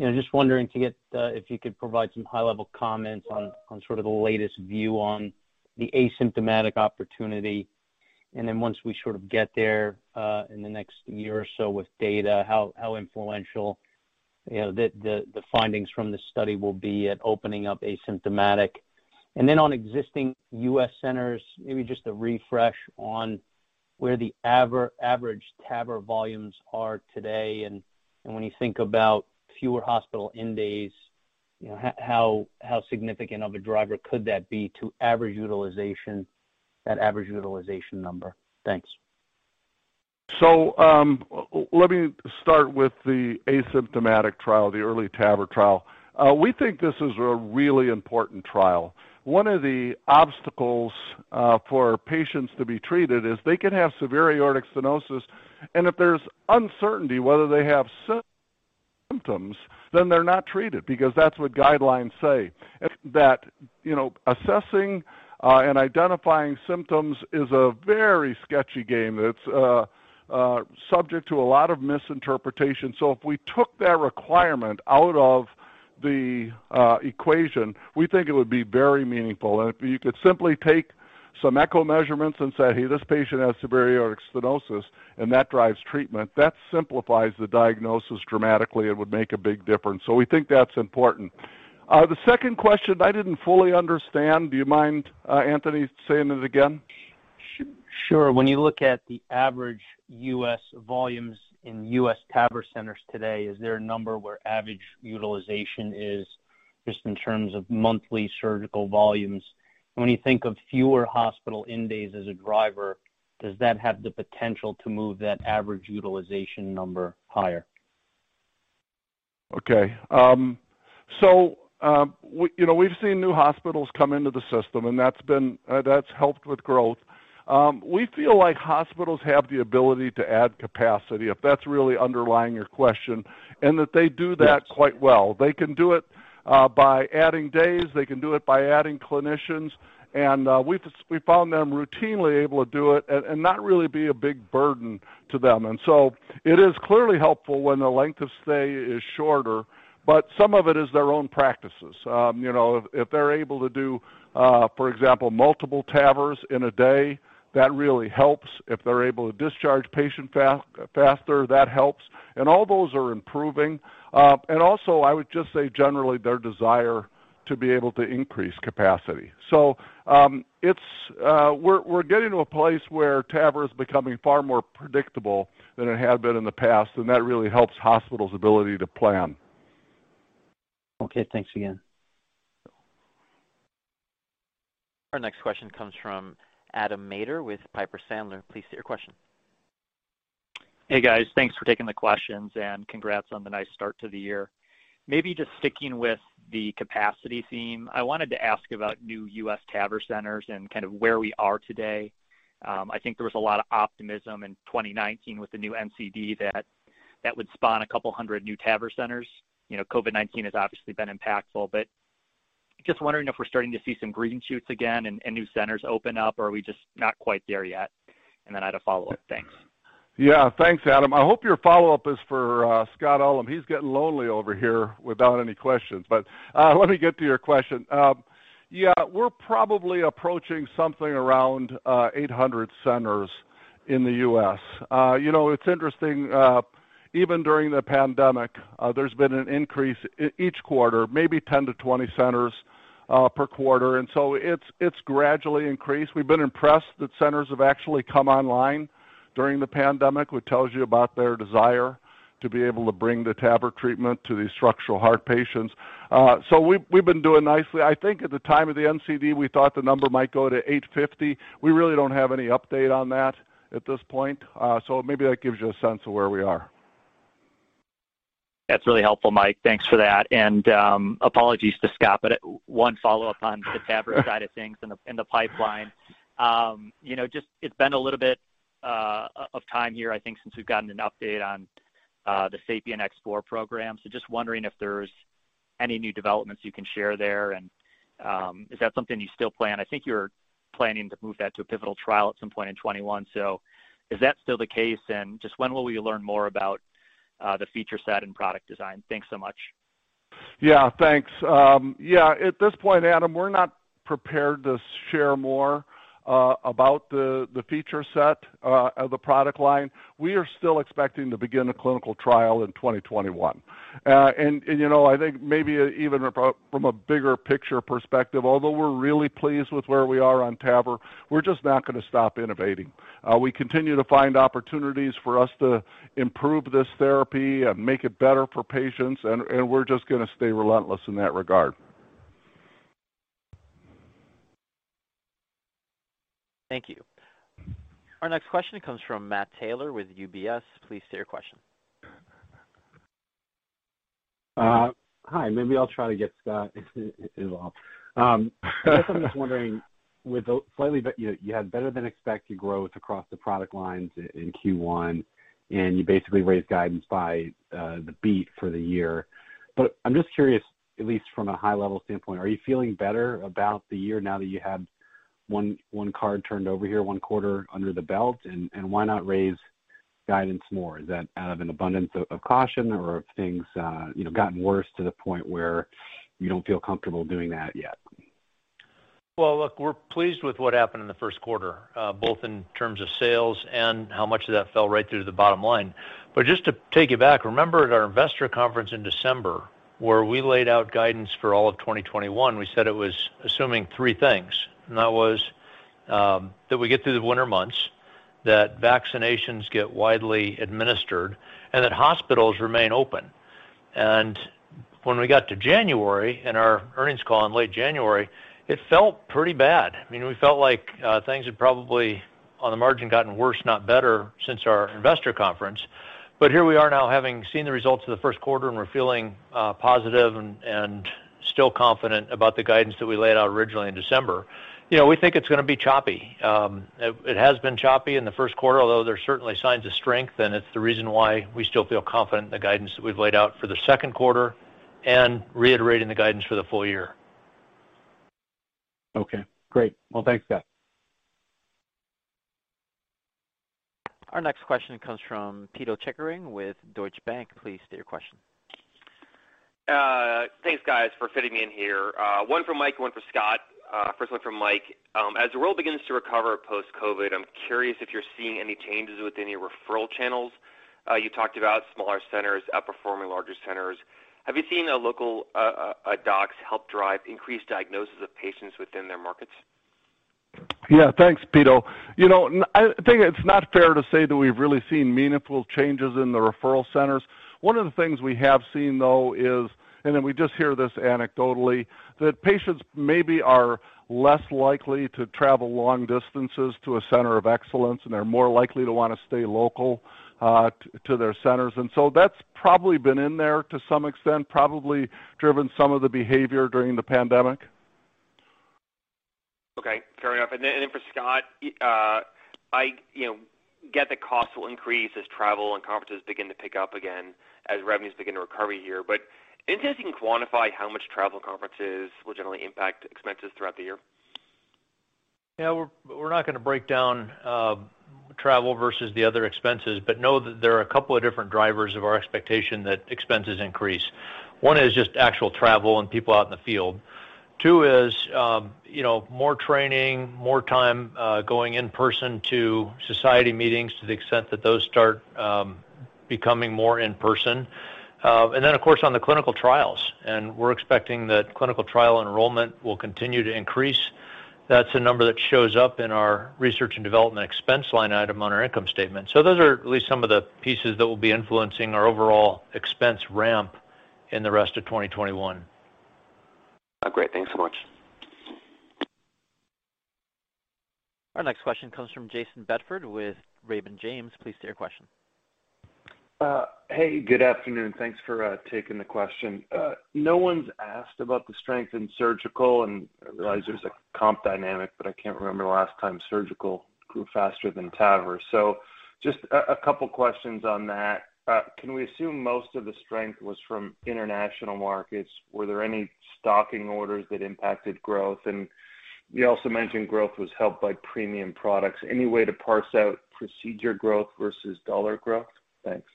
[SPEAKER 14] Just wondering if you could provide some high-level comments on sort of the latest view on the asymptomatic opportunity. Once we sort of get there in the next year or so with data, how influential the findings from this study will be at opening up asymptomatic. On existing U.S. centers, maybe just a refresh on where the average TAVR volumes are today, and when you think about fewer hospital in-days, how significant of a driver could that be to average utilization, that average utilization number. Thanks.
[SPEAKER 3] Let me start with the asymptomatic trial, the EARLY TAVR trial. We think this is a really important trial. One of the obstacles for patients to be treated is they can have severe aortic stenosis, and if there's uncertainty whether they have symptoms, then they're not treated because that's what guidelines say. That assessing and identifying symptoms is a very sketchy game. It's subject to a lot of misinterpretation. If we took that requirement out of the equation, we think it would be very meaningful. If you could simply take some echo measurements and say, "Hey, this patient has severe aortic stenosis," and that drives treatment, that simplifies the diagnosis dramatically. It would make a big difference. We think that's important. The second question, I didn't fully understand. Do you mind, Anthony, saying it again?
[SPEAKER 14] Sure. When you look at the average U.S. volumes in U.S. TAVR centers today, is there a number where average utilization is just in terms of monthly surgical volumes? When you think of fewer hospital in-days as a driver, does that have the potential to move that average utilization number higher?
[SPEAKER 3] Okay. We've seen new hospitals come into the system, and that's helped with growth. We feel like hospitals have the ability to add capacity, if that's really underlying your question, and that they do that quite well. They can do it by adding days. They can do it by adding clinicians, and we found them routinely able to do it and not really be a big burden to them. It is clearly helpful when the length of stay is shorter, but some of it is their own practices. If they're able to do, for example, multiple TAVRs in a day, that really helps. If they're able to discharge patient faster, that helps. All those are improving. Also, I would just say generally their desire to be able to increase capacity. We're getting to a place where TAVR is becoming far more predictable than it had been in the past, and that really helps hospitals' ability to plan.
[SPEAKER 14] Okay, thanks again.
[SPEAKER 1] Our next question comes from Adam Maeder with Piper Sandler. Please state your question.
[SPEAKER 15] Hey, guys. Thanks for taking the questions, and congrats on the nice start to the year. Maybe just sticking with the capacity theme. I wanted to ask about new U.S. TAVR centers and kind of where we are today. I think there was a lot of optimism in 2019 with the new NCD that that would spawn a couple hundred new TAVR centers. COVID-19 has obviously been impactful, just wondering if we're starting to see some green shoots again and new centers open up, or are we just not quite there yet? I had a follow-up. Thanks.
[SPEAKER 3] Yeah. Thanks, Adam. I hope your follow-up is for Scott. He's getting lonely over here without any questions but let me get to your question. Yeah, we're probably approaching something around 800 centers in the U.S. It's interesting, even during the pandemic, there's been an increase each quarter, maybe 10-20 centers per quarter and so it's gradually increased. We've been impressed that centers have actually come online during the pandemic, which tells you about their desire to be able to bring the TAVR treatment to these structural heart patients. We've been doing nicely. I think at the time of the NCD, we thought the number might go to 850. We really don't have any update on that at this point so maybe that gives you a sense of where we are.
[SPEAKER 15] That's really helpful, Mike. Thanks for that. Apologies to Scott, one follow-up on the TAVR- side of things in the pipeline. It's been a little bit of time here, I think, since we've gotten an update on the SAPIEN X4 program. Just wondering if there's any new developments you can share there, is that something you still plan? I think you're planning to move that to a pivotal trial at some point in 2021. Is that still the case, just when will we learn more about the feature set and product design? Thanks so much.
[SPEAKER 3] Yeah, thanks. Yeah, at this point, Adam, we're not prepared to share more about the feature set of the product line. We are still expecting to begin a clinical trial in 2021. I think maybe even from a bigger picture perspective, although we're really pleased with where we are on TAVR, we're just not going to stop innovating. We continue to find opportunities for us to improve this therapy and make it better for patients, and we're just going to stay relentless in that regard.
[SPEAKER 1] Thank you. Our next question comes from Matt Taylor with UBS. Please state your question.
[SPEAKER 16] Hi. Maybe I'll try to get Scott involved. I guess I'm just wondering, you had better than expected growth across the product lines in Q1, and you basically raised guidance by the beat for the year. But I'm just curious, at least from a high level standpoint, are you feeling better about the year now that you had one card turned over here, one quarter under the belt? Why not raise guidance more? Is that out of an abundance of caution, or have things gotten worse to the point where you don't feel comfortable doing that yet?
[SPEAKER 4] Well, look, we're pleased with what happened in the first quarter, both in terms of sales and how much of that fell right through to the bottom line. Just to take you back, remember at our investor conference in December where we laid out guidance for all of 2021, we said it was assuming three things. That was that we get through the winter months, that vaccinations get widely administered, and that hospitals remain open. When we got to January, in our earnings call in late January, it felt pretty bad. We felt like things had probably, on the margin, gotten worse, not better, since our investor conference. Here we are now having seen the results of the first quarter, and we're feeling positive and still confident about the guidance that we laid out originally in December. We think it's going to be choppy. It has been choppy in the first quarter, although there's certainly signs of strength. It's the reason why we still feel confident in the guidance that we've laid out for the second quarter and reiterating the guidance for the full year.
[SPEAKER 16] Okay, great. Well, thanks, Scott.
[SPEAKER 1] Our next question comes from Pito Chickering with Deutsche Bank. Please state your question.
[SPEAKER 17] Thanks, guys, for fitting me in here. One for Mike, one for Scott. First one for Mike. As the world begins to recover post-COVID, I'm curious if you're seeing any changes with any referral channels. You talked about smaller centers outperforming larger centers. Have you seen the local docs help drive increased diagnosis of patients within their markets?
[SPEAKER 3] Yeah, thanks, Pito. I think it's not fair to say that we've really seen meaningful changes in the referral centers. One of the things we have seen, though, is we just hear this anecdotally, that patients maybe are less likely to travel long distances to a center of excellence, and they're more likely to want to stay local to their centers and so that's probably been in there to some extent, probably driven some of the behavior during the pandemic.
[SPEAKER 17] Okay. Fair enough. Then for Scott, I get that costs will increase as travel and conferences begin to pick up again as revenues begin to recover here. Any sense you can quantify how much travel and conferences will generally impact expenses throughout the year?
[SPEAKER 4] Yeah, we're not going to break down travel versus the other expenses, but know that there are a couple of different drivers of our expectation that expenses increase. One is just actual travel and people out in the field. Two is more training, more time going in person to society meetings to the extent that those start becoming more in-person. Then, of course, on the clinical trials. We're expecting that clinical trial enrollment will continue to increase. That's a number that shows up in our research and development expense line item on our income statement. Those are at least some of the pieces that will be influencing our overall expense ramp in the rest of 2021.
[SPEAKER 17] Great. Thanks so much.
[SPEAKER 1] Our next question comes from Jayson Bedford with Raymond James. Please state your question.
[SPEAKER 18] Hey, good afternoon. Thanks for taking the question. No one's asked about the strength in surgical, and I realize there's a comp dynamic, but I can't remember the last time surgical grew faster than TAVR. Just a couple of questions on that. Can we assume most of the strength was from international markets? Were there any stocking orders that impacted growth? You also mentioned growth was helped by premium products. Any way to parse out procedure growth versus dollar growth? Thanks.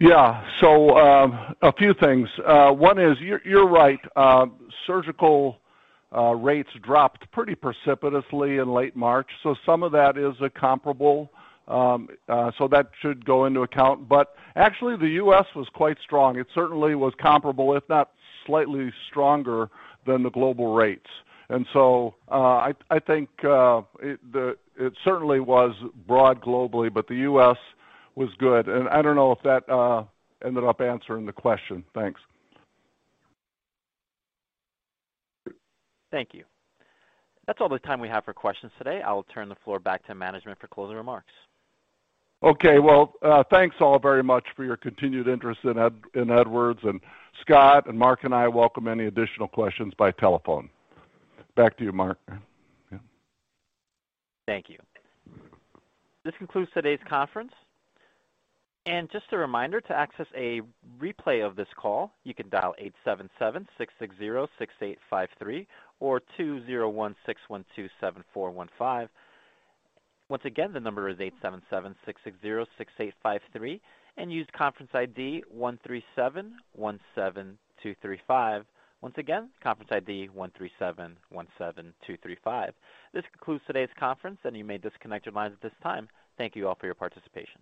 [SPEAKER 3] Yeah. A few things. One is, you're right. Surgical rates dropped pretty precipitously in late March. Some of that is a comparable, so that should go into account. Actually, the U.S. was quite strong. It certainly was comparable, if not slightly stronger than the global rates. I think it certainly was broad globally, but the U.S. was good. I don't know if that ended up answering the question. Thanks.
[SPEAKER 1] Thank you. That's all the time we have for questions today. I will turn the floor back to management for closing remarks.
[SPEAKER 3] Okay. Well, thanks all very much for your continued interest in Edwards. Scott and Mark and I welcome any additional questions by telephone. Back to you, Mark. Yeah.
[SPEAKER 2] Thank you. This concludes today's conference. And just a reminder, to access a replay of this call, you can dial 877-660-6853 or 201-612-7415. Once again, the number is 877-660-6853, and use conference ID 137-172-35. Once again, conference ID 137-172-35. This concludes today's conference, and you may disconnect your lines at this time. Thank you all for your participation.